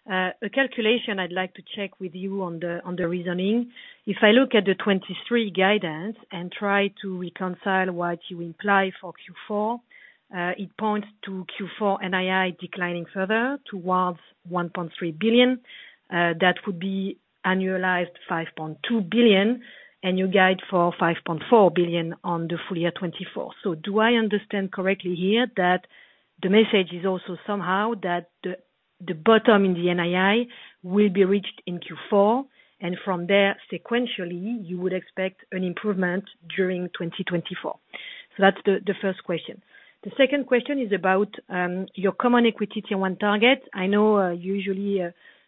A calculation I'd like to check with you on the, on the reasoning. If I look at the 2023 guidance and try to reconcile what you imply for Q4, it points to Q4 NII declining further towards 1.3 billion. That would be annualized 5.2 billion, and you guide for 5.4 billion on the full year 2024. So do I understand correctly here that the message is also somehow that the, the bottom in the NII will be reached in Q4, and from there sequentially, you would expect an improvement during 2024? So that's the, the first question. The second question is about your Common Equity Tier 1 target. I know, usually,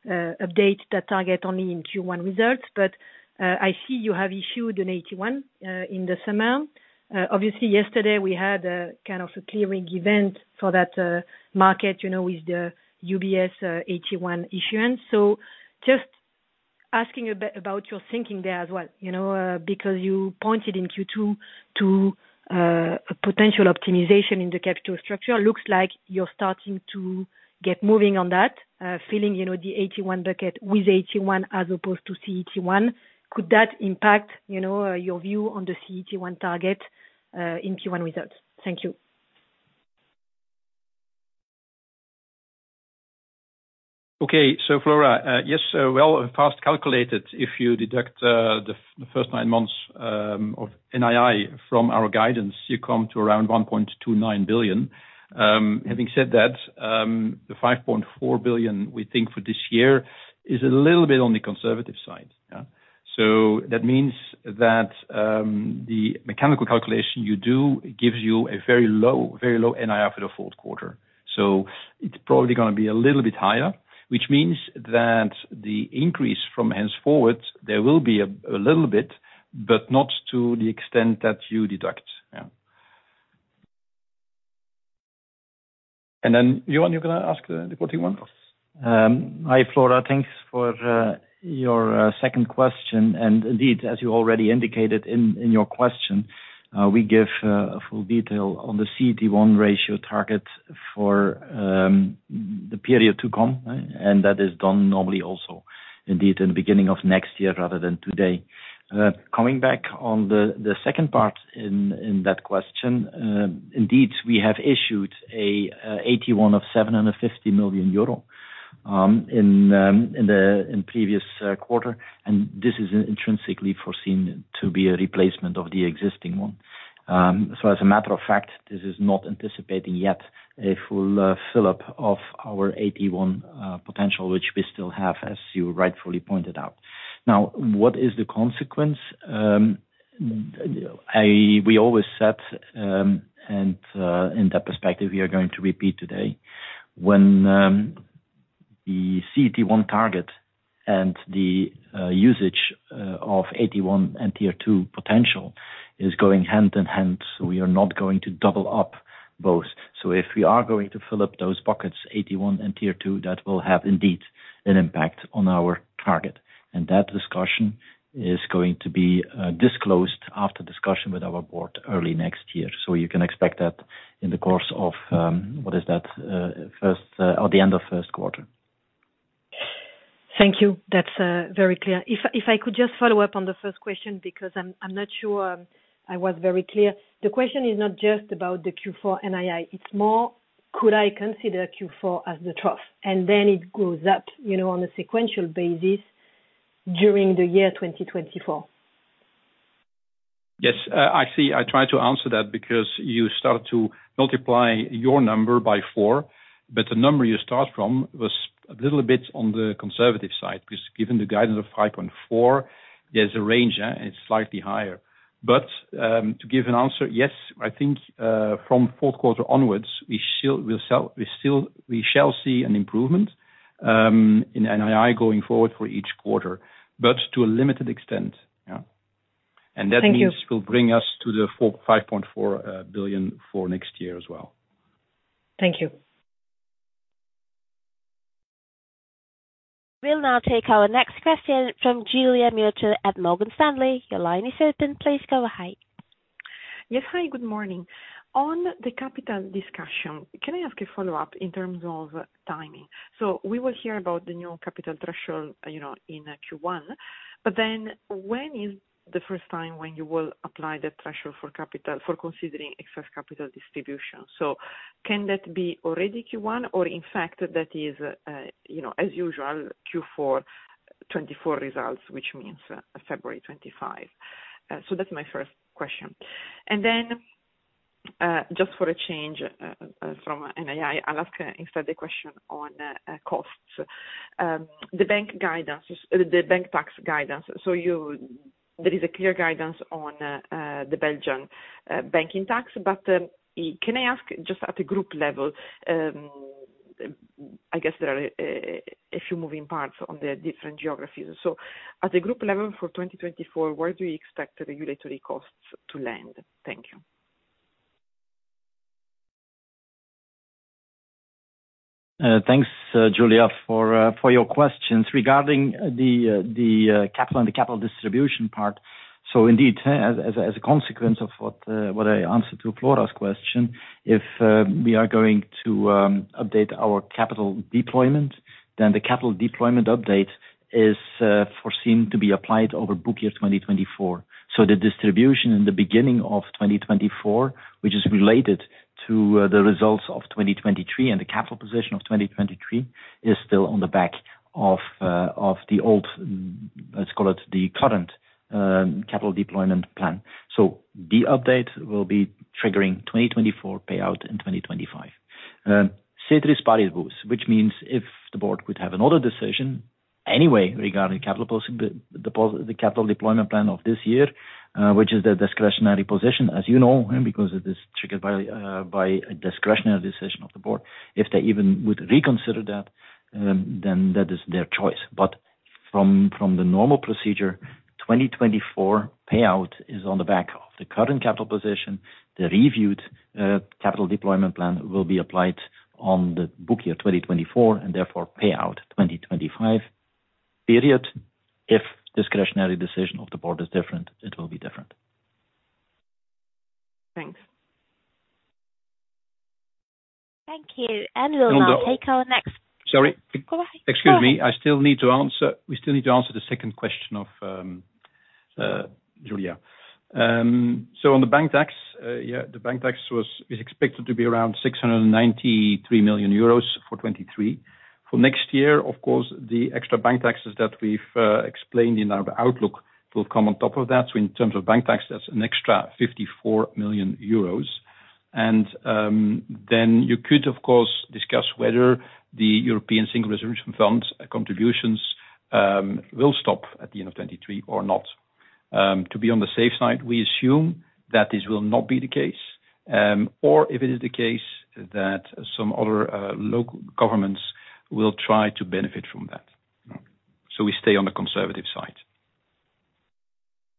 update that target only in Q1 results, but, I see you have issued an AT1, in the summer. Obviously yesterday we had a kind of a clearing event for that, market, you know, with the UBS, AT1 issuance. So just asking a bit about your thinking there as well, you know, because you pointed in Q2 to, a potential optimization in the capital structure. Looks like you're starting to get moving on that, filling, you know, the AT1 bucket with AT1 as opposed to CET1. Could that impact, you know, your view on the CET1 target, in Q1 results? Thank you. Okay, so Flora, yes, so well, fast calculated, if you deduct the first nine months of NII from our guidance, you come to around 1.29 billion. Having said that, the 5.4 billion we think for this year is a little bit on the conservative side. Yeah. So that means that the mechanical calculation you do gives you a very low, very low NII for the fourth quarter. So it's probably gonna be a little bit higher, which means that the increase from hence forward, there will be a little bit, but not to the extent that you deduct. Yeah. And then, Johan, you're gonna ask the reporting one? Hi, Flora. Thanks for your second question. And indeed, as you already indicated in your question, we give a full detail on the CET1 ratio target for the period to come, and that is done normally also, indeed, in the beginning of next year, rather than today. Coming back on the second part in that question, indeed, we have issued a 81 million out of 750 million euro in the previous quarter, and this is intrinsically foreseen to be a replacement of the existing one. So as a matter of fact, this is not anticipating yet a full fill-up of our AT1 potential, which we still have, as you rightfully pointed out. Now, what is the consequence? We always said, and in that perspective, we are going to repeat today. When the CET1 target and the usage of AT1 and Tier 2 potential is going hand in hand, so we are not going to double up both. So if we are going to fill up those buckets, AT1 and Tier 2, that will have indeed an impact on our target. And that discussion is going to be disclosed after discussion with our board early next year. So you can expect that in the course of first or the end of first quarter. Thank you. That's very clear. If I could just follow up on the first question, because I'm not sure I was very clear. The question is not just about the Q4 NII, it's more, could I consider Q4 as the trough, and then it goes up, you know, on a sequential basis during the year 2024? Yes, I see. I tried to answer that because you started to multiply your number by 4, but the number you start from was a little bit on the conservative side, because given the guidance of 5.4, there's a range, and it's slightly higher. But, to give an answer, yes, I think, from fourth quarter onwards, we shall see an improvement, in NII going forward for each quarter, but to a limited extent. Yeah. Thank you. That means will bring us to the 4.54 billion for next year as well. Thank you. We'll now take our next question from Giulia Miotto at Morgan Stanley. Your line is open. Please go ahead. Yes. Hi, good morning. On the capital discussion, can I ask a follow-up in terms of timing? So we will hear about the new capital threshold, you know, in Q1, but then when is the first time when you will apply that threshold for capital, for considering excess capital distribution? So can that be already Q1, or in fact, that is, you know, as usual, Q4 2024 results, which means February 2025? So that's my first question. And then, just for a change, from NII, I'll ask instead the question on costs. The bank guidance, the bank tax guidance, so you... There is a clear guidance on the Belgian banking tax. But, can I ask just at the group level, I guess there are a few moving parts on the different geographies. So at the group level, for 2024, where do you expect the regulatory costs to land? Thank you. Thanks, Giulia, for your questions. Regarding the capital and the capital distribution part, so indeed, as a consequence of what I answered to Flora's question, if we are going to update our capital deployment, then the capital deployment update is foreseen to be applied over book year 2024. So the distribution in the beginning of 2024, which is related to the results of 2023 and the capital position of 2023, is still on the back of the old, let's call it, the current capital deployment plan. So the update will be triggering 2024 payout in 2025. Ceteris paribus, which means if the board would have another decision anyway regarding the capital deployment plan of this year, which is the discretionary position, as you know, because it is triggered by a discretionary decision of the board. If they even would reconsider that, then that is their choice. But from the normal procedure, 2024 payout is on the back of the current capital position. The reviewed capital deployment plan will be applied on the book year 2024, and therefore, payout 2025. Period. If discretionary decision of the board is different, it will be different. Thanks. Thank you. We'll now take our next- Sorry. Go ahead. Excuse me. I still need to answer, we still need to answer the second question of Giulia. So on the bank tax, yeah, the bank tax was, is expected to be around 693 million euros for 2023. For next year, of course, the extra bank taxes that we've explained in our outlook will come on top of that. So in terms of bank tax, that's an extra 54 million euros. And then you could, of course, discuss whether the European Single Resolution Fund contributions will stop at the end of 2023 or not. To be on the safe side, we assume that this will not be the case, or if it is the case, that some other local governments will try to benefit from that. So we stay on the conservative side.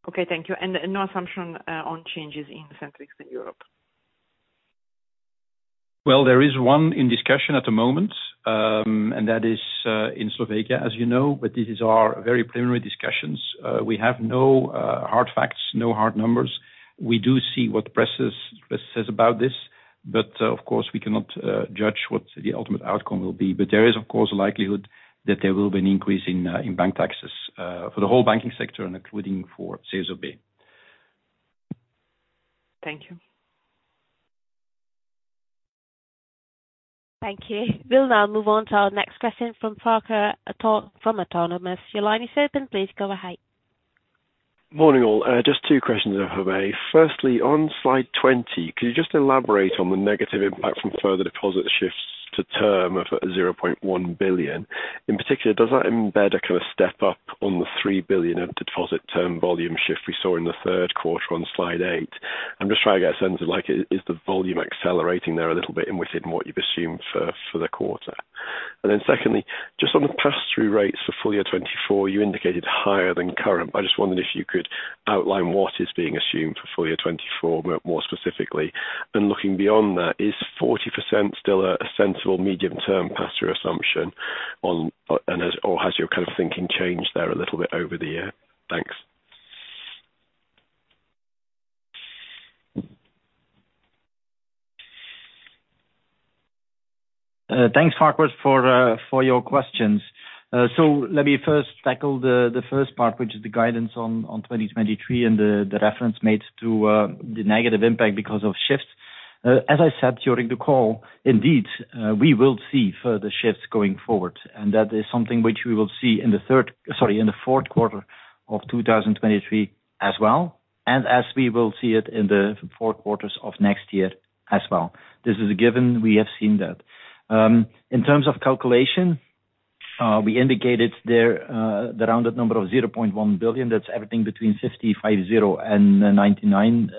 Okay, thank you. And no assumption on changes in bank taxes in Europe? Well, there is one in discussion at the moment, and that is, in Slovakia, as you know, but this is our very preliminary discussions. We have no hard facts, no hard numbers. We do see what press says about this, but, of course, we cannot judge what the ultimate outcome will be. But there is, of course, a likelihood that there will be an increase in bank taxes for the whole banking sector, and including for ČSOB. Thank you. Thank you. We'll now move on to our next question from Farquhar at Autonomous. Your line is open, please go ahead. Morning, all. Just two questions I have here. Firstly, on slide 20, could you just elaborate on the negative impact from further deposit shifts to term of 0.1 billion? In particular, does that embed a kind of step up on the 3 billion of deposit term volume shift we saw in the third quarter on slide 8? I'm just trying to get a sense of, like, is the volume accelerating there a little bit within what you've assumed for the quarter? And then secondly, just on the pass-through rates for full year 2024, you indicated higher than current. I just wondered if you could outline what is being assumed for full year 2024, more specifically. Looking beyond that, is 40% still a sensible medium-term pass-through assumption on, and has, or has your kind of thinking changed there a little bit over the year? Thanks. Thanks, Farquhar, for your questions. So let me first tackle the first part, which is the guidance on 2023, and the reference made to the negative impact because of shifts. As I said, during the call, indeed, we will see further shifts going forward, and that is something which we will see in the third, sorry, in the fourth quarter of 2023 as well, and as we will see it in the four quarters of next year as well. This is a given, we have seen that. In terms of calculation, we indicated there the rounded number of 0.1 billion. That's everything between 55.0 and 99,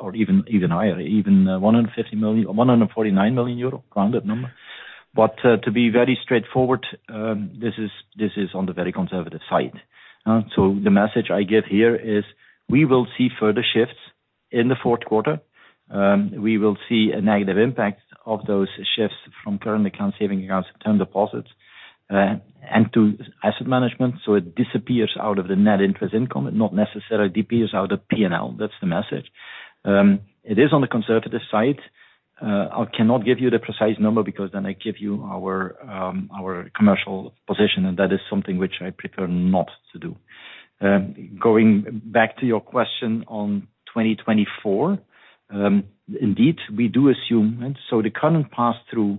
or even higher, even 150 million, 149 million euro, rounded number. To be very straightforward, this is, this is on the very conservative side. So the message I give here is we will see further shifts in the fourth quarter. We will see a negative impact of those shifts from current account, savings accounts, term deposits, and to asset management. It disappears out of the net interest income and not necessarily disappears out of PNL. That's the message. It is on the conservative side. I cannot give you the precise number because then I give you our, our commercial position, and that is something which I prefer not to do. Going back to your question on 2024, indeed, we do assume, and so the current pass-through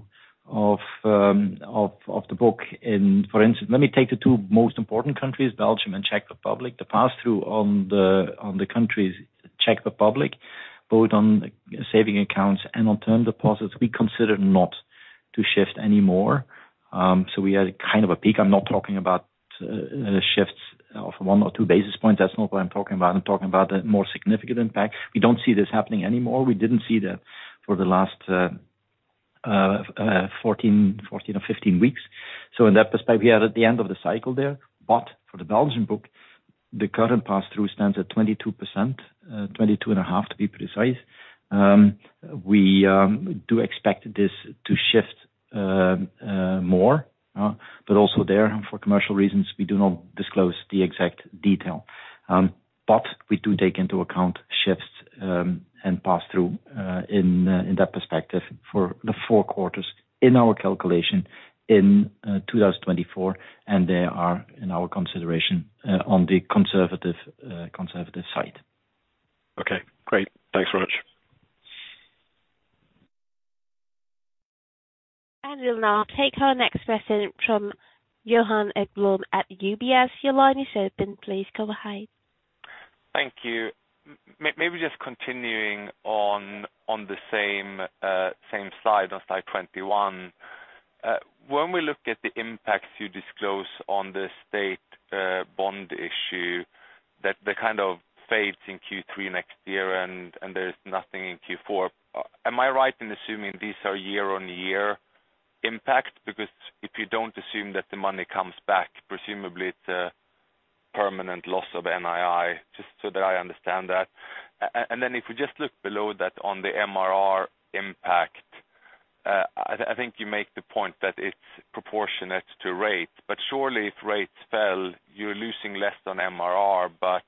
of the book in, for instance... Let me take the two most important countries, Belgium and Czech Republic. The pass-through on the, on the countries, Czech Republic, both on saving accounts and on term deposits, we consider not to shift anymore. So we are kind of a peak. I'm not talking about the shifts of 1 or 2 basis points. That's not what I'm talking about. I'm talking about a more significant impact. We don't see this happening anymore. We didn't see that for the last 14, 14 or 15 weeks. So in that perspective, we are at the end of the cycle there. But for the Belgian book, the current pass-through stands at 22%, 22.5, to be precise. We do expect this to shift more, but also there, for commercial reasons, we do not disclose the exact detail. But we do take into account shifts and pass-through in that perspective for the four quarters in our calculation in 2024, and they are in our consideration on the conservative side. Okay, great. Thanks so much. We'll now take our next question from Johan Ekblom at UBS. Your line is open. Please go ahead. Thank you. Maybe just continuing on, on the same slide, on slide 21. When we look at the impacts you disclose on the state bond issue, that they kind of fade in Q3 next year, and there's nothing in Q4, am I right in assuming these are year-on-year impacts? Because if you don't assume that the money comes back, presumably it's a permanent loss of NII, just so that I understand that. And then if you just look below that on the MRR impact, I think you make the point that it's proportionate to rate, but surely if rates fell, you're losing less than MRR, but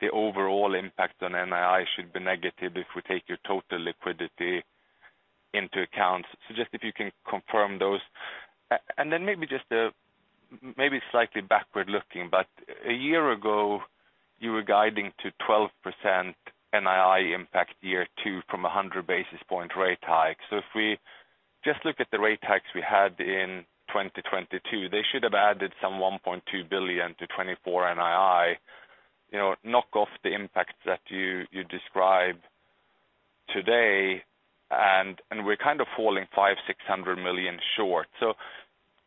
the overall impact on NII should be negative if we take your total liquidity into account. So just if you can confirm those. And then maybe just maybe slightly backward looking, but a year ago, you were guiding to 12% NII impact year two from a 100 basis point rate hike. So if we just look at the rate hikes we had in 2022, they should have added some 1.2 billion to 2024 NII. You know, knock off the impacts that you describe today, and we're kind of falling 500-600 million short. So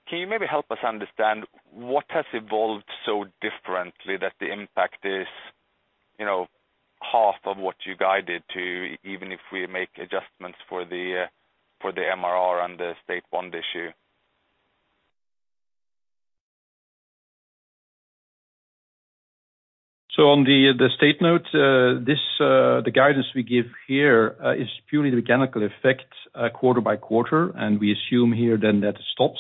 can you maybe help us understand what has evolved so differently, that the impact is, you know, half of what you guided to, even if we make adjustments for the MRR and the state bond issue? So on the State Note, the guidance we give here is purely the mechanical effect quarter by quarter, and we assume here then that stops.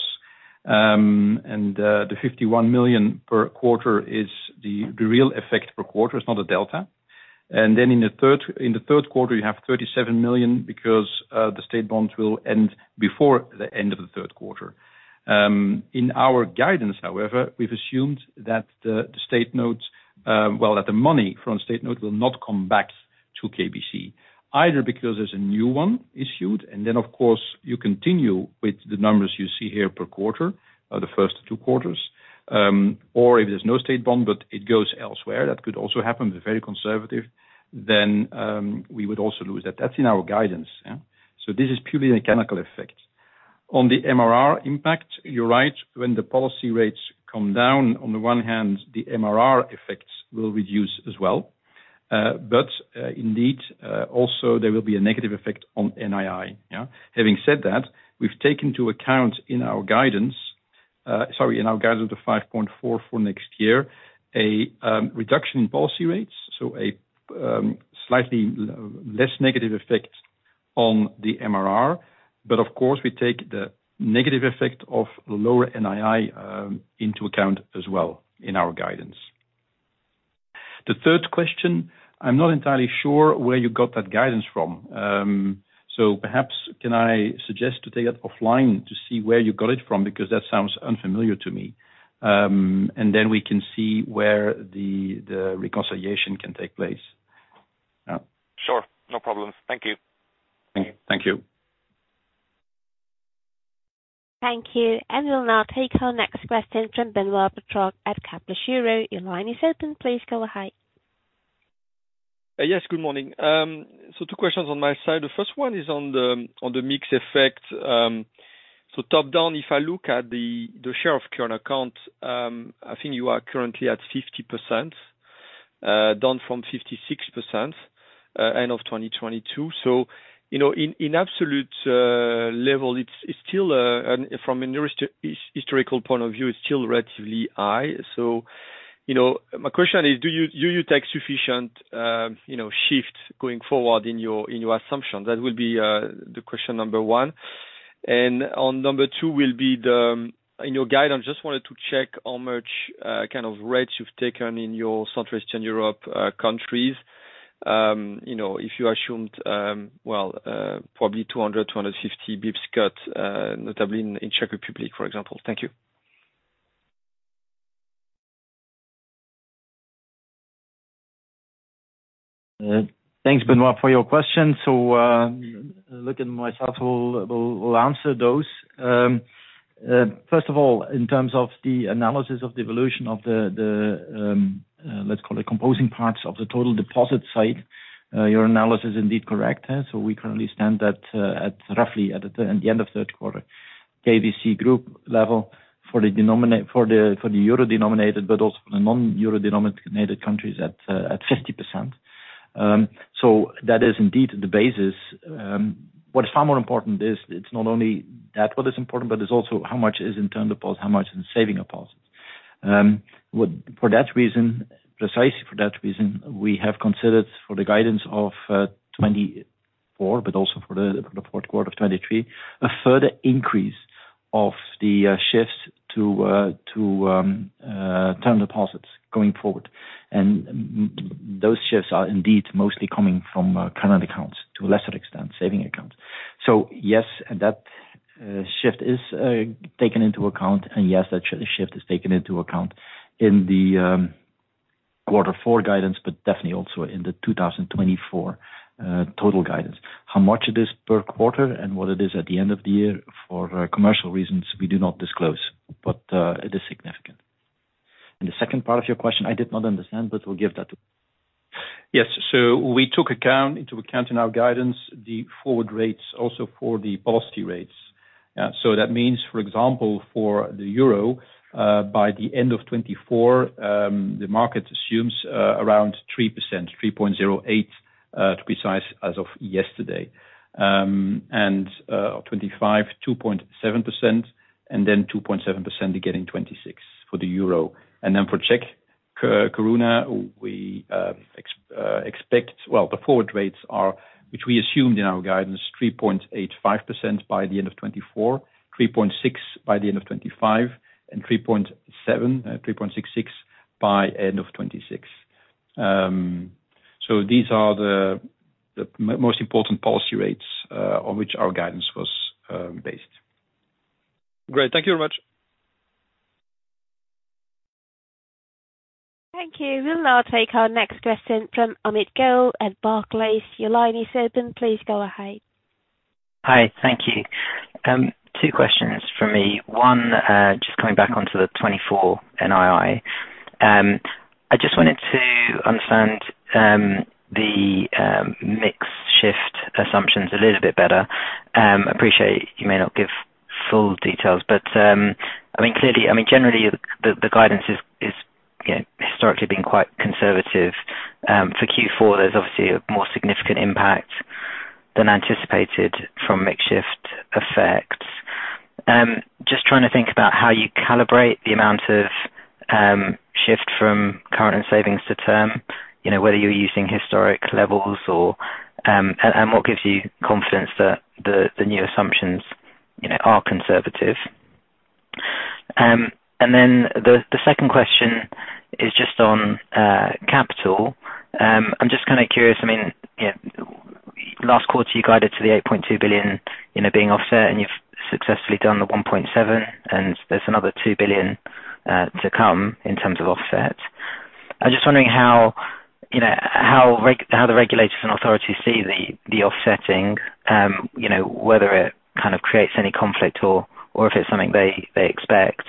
And the 51 million per quarter is the real effect per quarter. It's not a delta. And then in the third quarter, you have 37 million because the state bonds will end before the end of the third quarter. In our guidance, however, we've assumed that the State Notes, well, that the money from State Note will not come back to KBC, either because there's a new one issued, and then, of course, you continue with the numbers you see here per quarter, the first two quarters, or if there's no state bond, but it goes elsewhere, that could also happen, we're very conservative, then, we would also lose that. That's in our guidance, yeah. So this is purely a mechanical effect. On the MRR impact, you're right. When the policy rates come down, on the one hand, the MRR effects will reduce as well. But, indeed, also there will be a negative effect on NII, yeah. Having said that, we've taken into account in our guidance, sorry, in our guidance of 5.4 for next year, a, reduction in policy rates, so a, slightly less negative effect on the MRR. But of course, we take the negative effect of lower NII, into account as well in our guidance. The third question, I'm not entirely sure where you got that guidance from. So perhaps can I suggest to take it offline to see where you got it from? Because that sounds unfamiliar to me. And then we can see where the reconciliation can take place. Yeah. Sure. No problems. Thank you. Thank you. Thank you, and we'll now take our next question from Benoît Pétrarque at Kepler Cheuvreux. Your line is open. Please go ahead. Yes, good morning. So two questions on my side. The first one is on the mix effect. So top down, if I look at the share of current account, I think you are currently at 50%, down from 56%, end of 2022. So, you know, in absolute level, it's still and from a historical point of view, it's still relatively high. So, you know, my question is: do you take sufficient, you know, shifts going forward in your assumptions? That will be the question number one. And on number two will be, in your guidance, just wanted to check how much kind of rates you've taken in your Southeastern Europe countries. You know, if you assumed, probably 200-250 basis points cuts, notably in Czech Republic, for example. Thank you. Thanks, Benoit, for your questions. So, look at myself, we'll answer those. First of all, in terms of the analysis of the evolution of the composing parts of the total deposit side, your analysis is indeed correct, huh? So we currently stand at roughly the end of third quarter, KBC Group level for the euro-denominated, but also the non-euro-denominated countries at 50%. So that is indeed the basis. What is far more important is it's not only that what is important, but it's also how much is in term deposits, how much is in saving deposits. For that reason, precisely for that reason, we have considered for the guidance of 2024, but also for the fourth quarter of 2023, a further increase of the shifts to term deposits going forward. And those shifts are indeed mostly coming from current accounts, to a lesser extent, saving accounts. So yes, that shift is taken into account, and yes, that shift is taken into account in the quarter four guidance, but definitely also in the 2024 total guidance. How much it is per quarter and what it is at the end of the year, for commercial reasons, we do not disclose, but it is significant. And the second part of your question, I did not understand, but we'll give that to Luc. Yes, so we took account into account in our guidance the forward rates also for the policy rates. So that means, for example, for the euro, by the end of 2024, the market assumes around 3%, 3.08% to be precise, as of yesterday. And 2025, 2.7%, and then 2.7% again in 2026 for the euro. And then for Czech koruna, we expect. Well, the forward rates are which we assumed in our guidance, 3.85% by the end of 2024, 3.6% by the end of 2025, and 3.66% by end of 2026. So these are the most important policy rates on which our guidance was based. Great. Thank you very much. Thank you. We'll now take our next question from Amit Goel at Barclays. Your line is open. Please go ahead. Hi, thank you. Two questions from me. One, just coming back onto the 2024 NII. I just wanted to understand the mix shift assumptions a little bit better. Appreciate you may not give full details, but I mean, clearly, I mean, generally, the guidance is you know, historically been quite conservative. For Q4, there's obviously a more significant impact than anticipated from mix shift effects. Just trying to think about how you calibrate the amount of shift from current and savings to term, you know, whether you're using historic levels or and what gives you confidence that the new assumptions you know, are conservative? And then the second question is just on capital. I'm just kind of curious, I mean, you know, last quarter, you guided to the 8.2 billion, you know, being offset, and you've successfully done the 1.7 billion, and there's another 2 billion to come in terms of offset. I'm just wondering how, you know, how the regulators and authorities see the offsetting, you know, whether it kind of creates any conflict or if it's something they expect.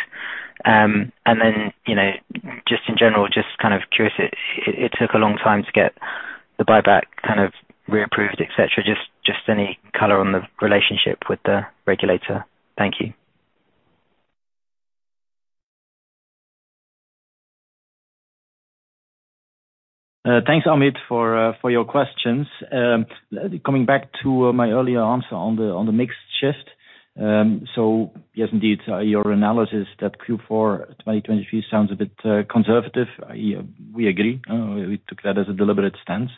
And then, you know, just in general, just kind of curious, it took a long time to get the buyback kind of reapproved, et cetera. Just any color on the relationship with the regulator. Thank you. Thanks, Amit, for your questions. Coming back to my earlier answer on the mix shift. So yes, indeed, your analysis that Q4 2023 sounds a bit conservative. We agree. We took that as a deliberate stance,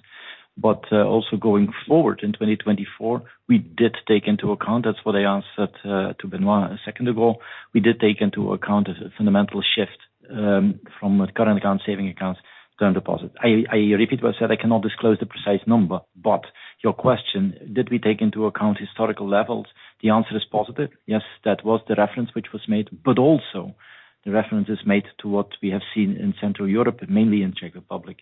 but also going forward in 2024, we did take into account, that's what I answered to Benoit a second ago. We did take into account a fundamental shift from current account, saving accounts, term deposits. I repeat what said, I cannot disclose the precise number, but your question, did we take into account historical levels? The answer is positive. Yes, that was the reference which was made, but also the reference is made to what we have seen in Central Europe, mainly in Czech Republic,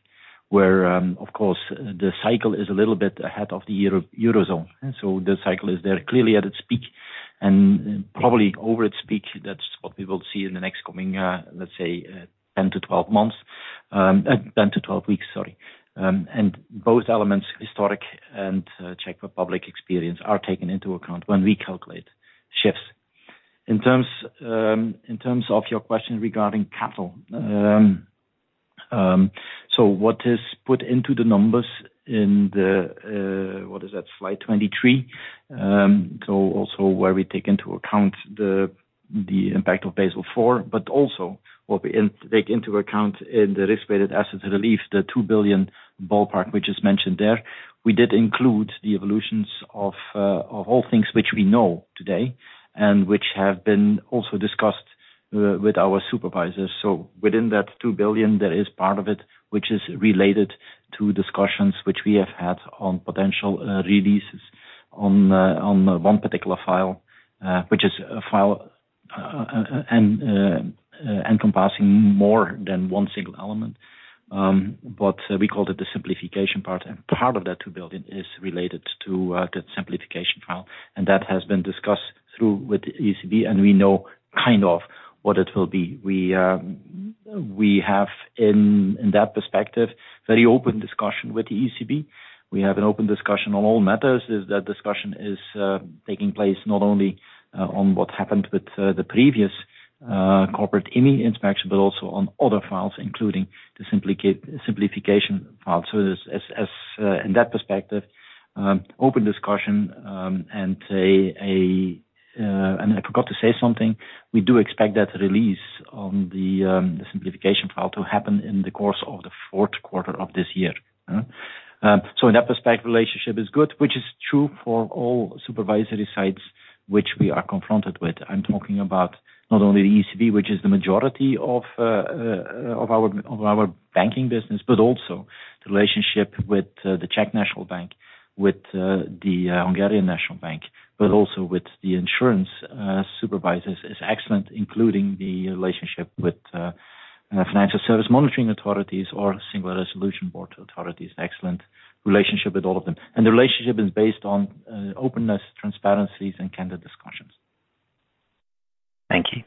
where, of course, the cycle is a little bit ahead of the Eurozone. And so the cycle is there, clearly at its peak and probably over its peak. That's what we will see in the next coming, let's say, 10-12 months, 10-12 weeks, sorry. And both elements, historic and, Czech Republic public experience, are taken into account when we calculate shifts. In terms, in terms of your question regarding capital. So what is put into the numbers in the, what is that, slide 23? So also where we take into account the impact of Basel IV, but also what we take into account in the risk-weighted assets relief, the 2 billion ballpark, which is mentioned there. We did include the evolutions of all things which we know today, and which have been also discussed with our supervisors. So within that 2 billion, there is part of it, which is related to discussions which we have had on potential releases on one particular file, which is a file and encompassing more than one single element. But we called it the simplification part, and part of that EUR 2 billion is related to the simplification file, and that has been discussed through with the ECB, and we know kind of what it will be. We have in that perspective very open discussion with the ECB. We have an open discussion on all matters, that discussion is taking place not only on what happened with the previous corporate inspection, but also on other files, including the simplification file. So as in that perspective open discussion and a... And I forgot to say something, we do expect that release on the simplification file to happen in the course of the fourth quarter of this year. So in that respect, relationship is good, which is true for all supervisory sites which we are confronted with. I'm talking about not only the ECB, which is the majority of our banking business, but also the relationship with the Czech National Bank, with the Hungarian National Bank, but also with the insurance supervisors is excellent, including the relationship with financial service monitoring authorities or single resolution board authorities. Excellent relationship with all of them. And the relationship is based on openness, transparency, and candid discussions. Thank you.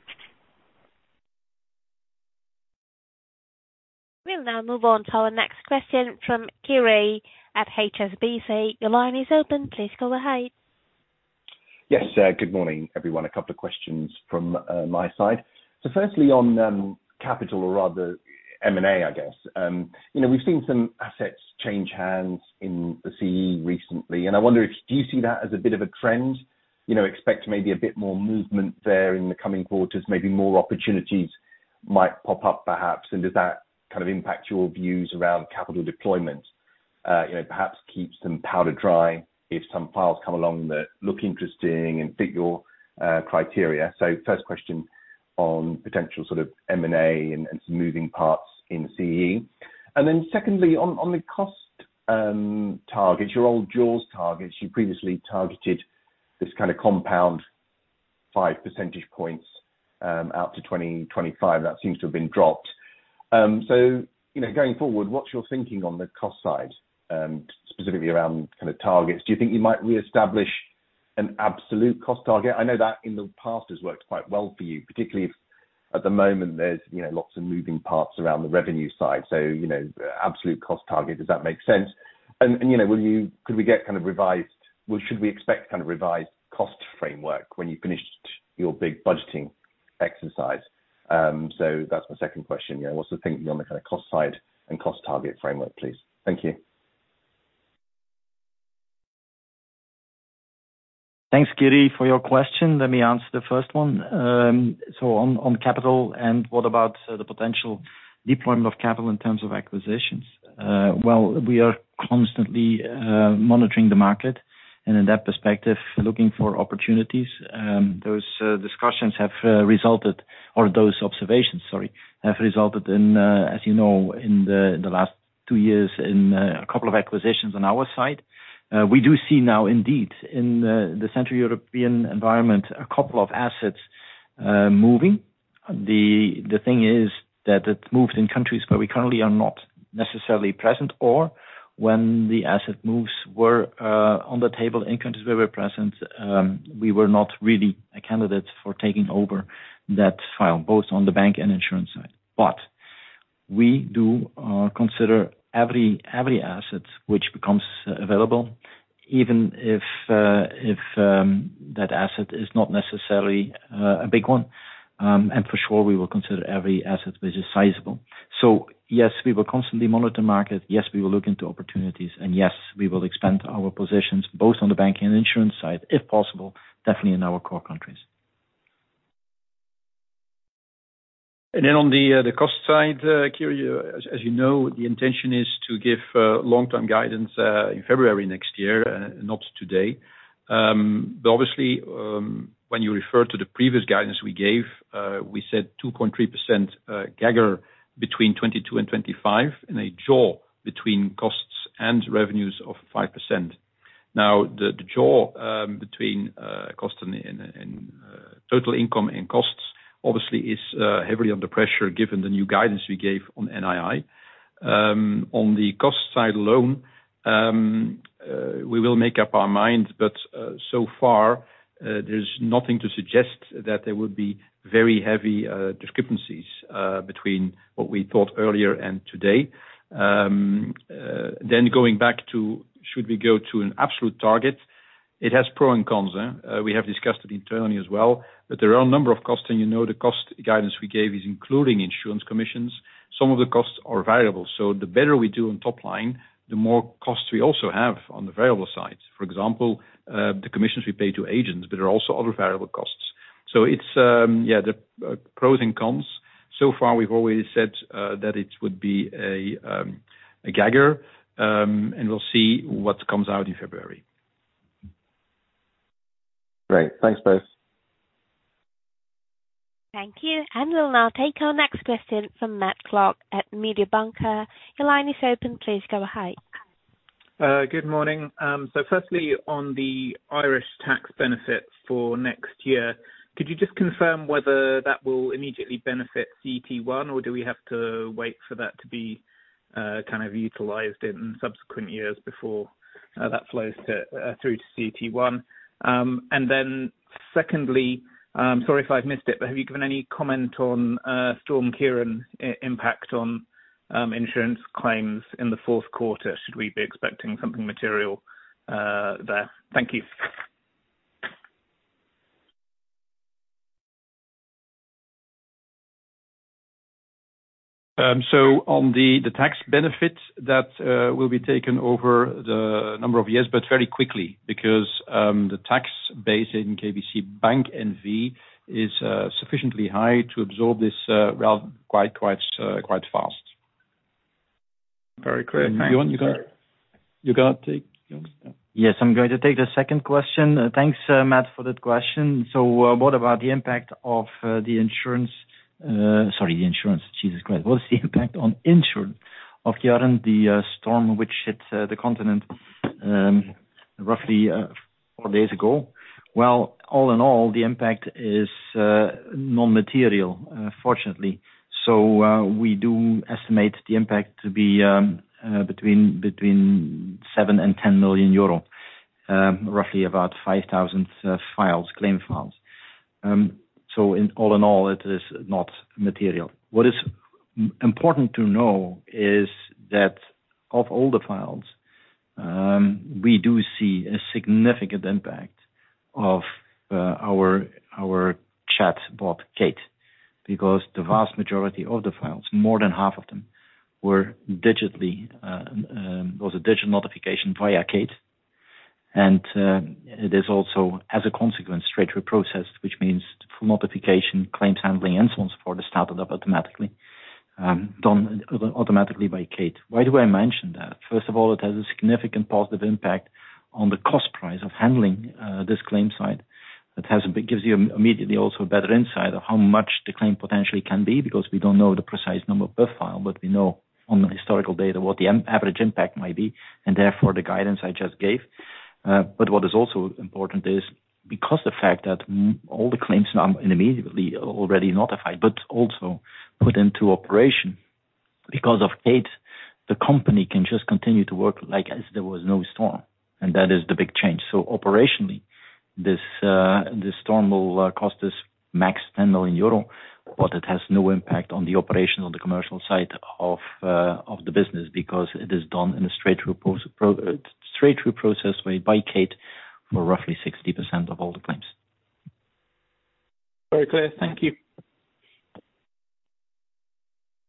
We'll now move on to our next question from Kiri at HSBC. Your line is open. Please go ahead. Yes, good morning, everyone. A couple of questions from my side. So firstly, on capital or rather M&A, I guess. You know, we've seen some assets change hands in the CE recently, and I wonder if do you see that as a bit of a trend? You know, expect maybe a bit more movement there in the coming quarters, maybe more opportunities might pop up perhaps, and does that kind of impact your views around capital deployment? You know, perhaps keep some powder dry if some files come along that look interesting and fit your criteria. So first question on potential sort of M&A and some moving parts in CE. Then secondly, on the cost targets, your old jaws targets, you previously targeted this kind of compound 5 percentage points out to 2025, that seems to have been dropped. So, you know, going forward, what's your thinking on the cost side, specifically around kind of targets? Do you think you might reestablish an absolute cost target? I know that in the past has worked quite well for you, particularly if at the moment there's, you know, lots of moving parts around the revenue side. So, you know, absolute cost target, does that make sense? And, and, you know, will you could we get kind of revised Well, should we expect kind of revised cost framework when you finished your big budgeting exercise? So that's my second question. You know, what's the thinking on the kind of cost side and cost target framework, please? Thank you. Thanks, Kitty, for your question. Let me answer the first one. So on capital, and what about the potential deployment of capital in terms of acquisitions? Well, we are constantly monitoring the market, and in that perspective, looking for opportunities. Those discussions have resulted or those observations, sorry, have resulted in, as you know, in the last two years, in a couple of acquisitions on our side. We do see now, indeed, in the Central European environment, a couple of assets moving. The thing is that it moves in countries where we currently are not necessarily present, or when the asset moves were on the table in countries where we're present, we were not really a candidate for taking over that file, both on the bank and insurance side. But we do consider every asset which becomes available, even if that asset is not necessarily a big one. For sure, we will consider every asset which is sizable. So yes, we will constantly monitor market. Yes, we will look into opportunities, and yes, we will expand our positions both on the banking and insurance side, if possible, definitely in our core countries. And then on the cost side, Kitty, as you know, the intention is to give long-term guidance in February next year, not today. But obviously, when you refer to the previous guidance we gave, we said 2.3% CAGR between 2022 and 2025, and a jaw between costs and revenues of 5%. Now, the jaw between cost and total income and costs obviously is heavily under pressure, given the new guidance we gave on NII. On the cost side alone, we will make up our mind, but so far, there's nothing to suggest that there would be very heavy discrepancies between what we thought earlier and today. Then going back to, should we go to an absolute target? It has pros and cons, we have discussed it internally as well, but there are a number of costs, and you know, the cost guidance we gave is including insurance commissions. Some of the costs are variable, so the better we do on top line, the more costs we also have on the variable side. For example, the commissions we pay to agents, but there are also other variable costs. So it's, yeah, the, pros and cons. So far, we've always said, that it would be a, a CAGR, and we'll see what comes out in February. Great. Thanks, both. Thank you, and we'll now take our next question from Matt Clark at Mediobanca. Your line is open. Please go ahead. Good morning. So firstly, on the Irish tax benefit for next year, could you just confirm whether that will immediately benefit CET1, or do we have to wait for that to be kind of utilized in subsequent years before that flows through to CET1? And then secondly, sorry if I've missed it, but have you given any comment on Storm Ciarán impact on insurance claims in the fourth quarter? Should we be expecting something material there? Thank you. So on the tax benefit that will be taken over the number of years, but very quickly, because the tax base in KBC Bank NV is sufficiently high to absorb this, well, quite fast. Very clear. Thank you. You want? You gonna take this one, yeah. Yes, I'm going to take the second question. Thanks, Matt, for that question. So, what about the impact of the insurance? Sorry, the insurance. Jesus Christ! What's the impact on insurance of Storm Ciarán, the storm, which hit the continent roughly four days ago? Well, all in all, the impact is non-material, fortunately. So, we do estimate the impact to be between 7 million and 10 million euro, roughly about 5,000 claim files. So in all in all, it is not material. What is important to know is that of all the files, we do see a significant impact of our chatbot, Kate, because the vast majority of the files, more than half of them, were a digital notification via Kate. It is also as a consequence a straight through process, which means full notification, claims handling, and so on started up automatically, done automatically by Kate. Why do I mention that? First of all, it has a significant positive impact on the cost price of handling this claim side. It gives you immediately also a better insight of how much the claim potentially can be, because we don't know the precise number per file. But we know on the historical data what the average impact might be, and therefore the guidance I just gave. But what is also important is, because the fact that all the claims are immediately already notified, but also put into operation. Because of Kate, the company can just continue to work like as there was no storm, and that is the big change. So operationally, this storm will cost us max 10 million euro, but it has no impact on the operation, on the commercial side of the business, because it is done in a straight through process made by Kate for roughly 60% of all the claims. Very clear. Thank you.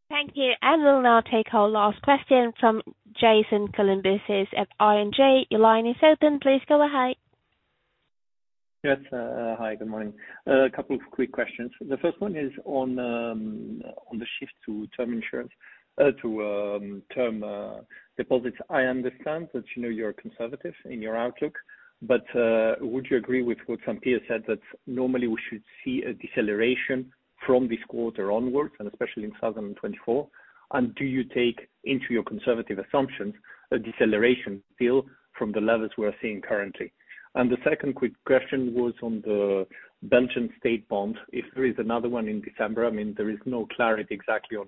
Thank you, and we'll now take our last question from Jason Kalamboussis at ING. Your line is open. Please go ahead. Yes, hi, good morning. A couple of quick questions. The first one is on the shift to term deposits. I understand that, you know, you're conservative in your outlook, but would you agree with what some peers said, that normally we should see a deceleration from this quarter onwards, and especially in 2024? And do you take into your conservative assumptions a deceleration still from the levels we're seeing currently? And the second quick question was on the Belgian state bond. If there is another one in December, I mean, there is no clarity exactly on,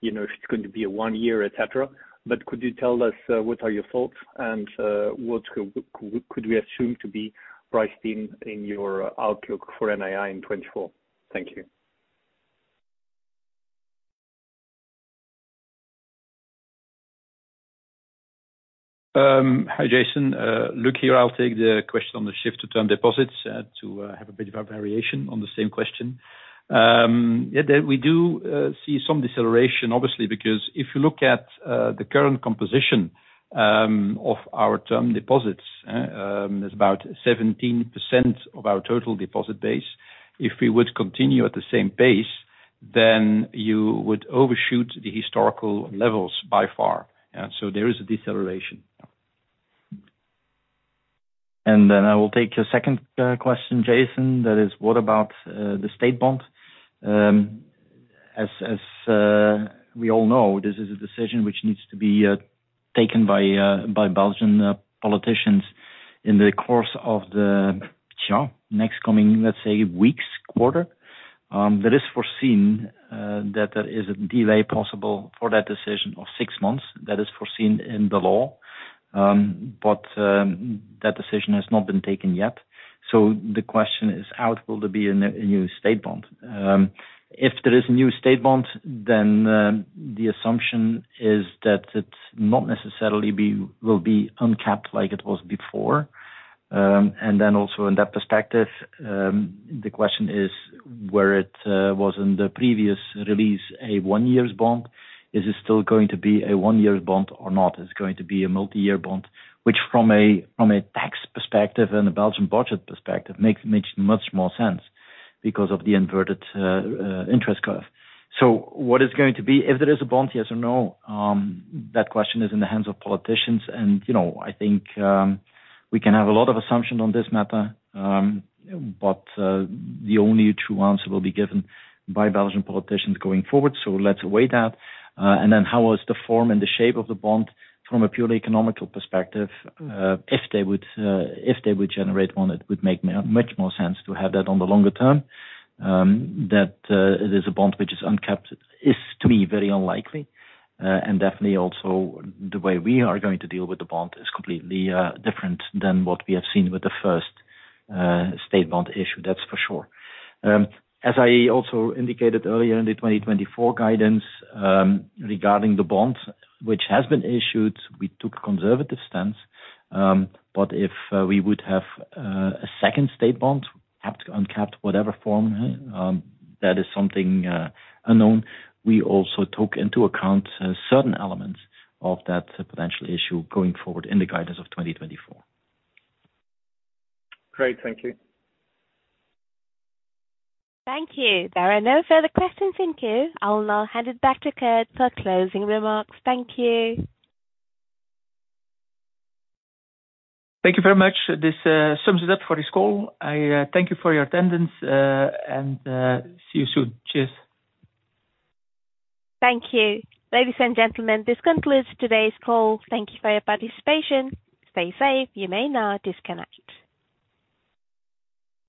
you know, if it's going to be a one-year, et cetera. But could you tell us what are your thoughts, and what could we assume to be priced in, in your outlook for NII in 2024? Thank you. Hi, Jason. Luc here. I'll take the question on the shift to term deposits to have a bit of a variation on the same question. Yeah, that we do see some deceleration, obviously, because if you look at the current composition of our term deposits, it's about 17% of our total deposit base. If we would continue at the same pace, then you would overshoot the historical levels by far. And so there is a deceleration. And then I will take your second question, Jason, that is, what about the state bond? As we all know, this is a decision which needs to be taken by Belgian politicians in the course of the next coming, let's say, weeks, quarter. There is foreseen that there is a delay possible for that decision of six months. That is foreseen in the law. But that decision has not been taken yet, so the question is, how will there be a new state bond? If there is a new state bond, then the assumption is that it's not necessarily be, will be uncapped like it was before. And then also in that perspective, the question is, where it was in the previous release, a one-year bond, is it still going to be a one-year bond or not? Is it going to be a multi-year bond, which from a tax perspective and a Belgian budget perspective, makes much more sense because of the inverted interest curve. So what is going to be, if there is a bond, yes or no, that question is in the hands of politicians. And, you know, I think, we can have a lot of assumption on this matter, but the only true answer will be given by Belgian politicians going forward. So let's await that. And then how was the form and the shape of the bond from a purely economical perspective, if they would generate one, it would make much more sense to have that on the longer term. That it is a bond which is uncapped is, to me, very unlikely. And definitely also the way we are going to deal with the bond is completely different than what we have seen with the first state bond issue, that's for sure. As I also indicated earlier in the 2024 guidance, regarding the bond which has been issued, we took conservative stance. But if we would have a second state bond, capped, uncapped, whatever form, that is something unknown. We also took into account, certain elements of that potential issue going forward in the guidance of 2024. Great, thank you. Thank you. There are no further questions in queue. I'll now hand it back to Kurt for closing remarks. Thank you. Thank you very much. This sums it up for this call. I thank you for your attendance, and see you soon. Cheers! Thank you. Ladies and gentlemen, this concludes today's call. Thank you for your participation. Stay safe. You may now disconnect.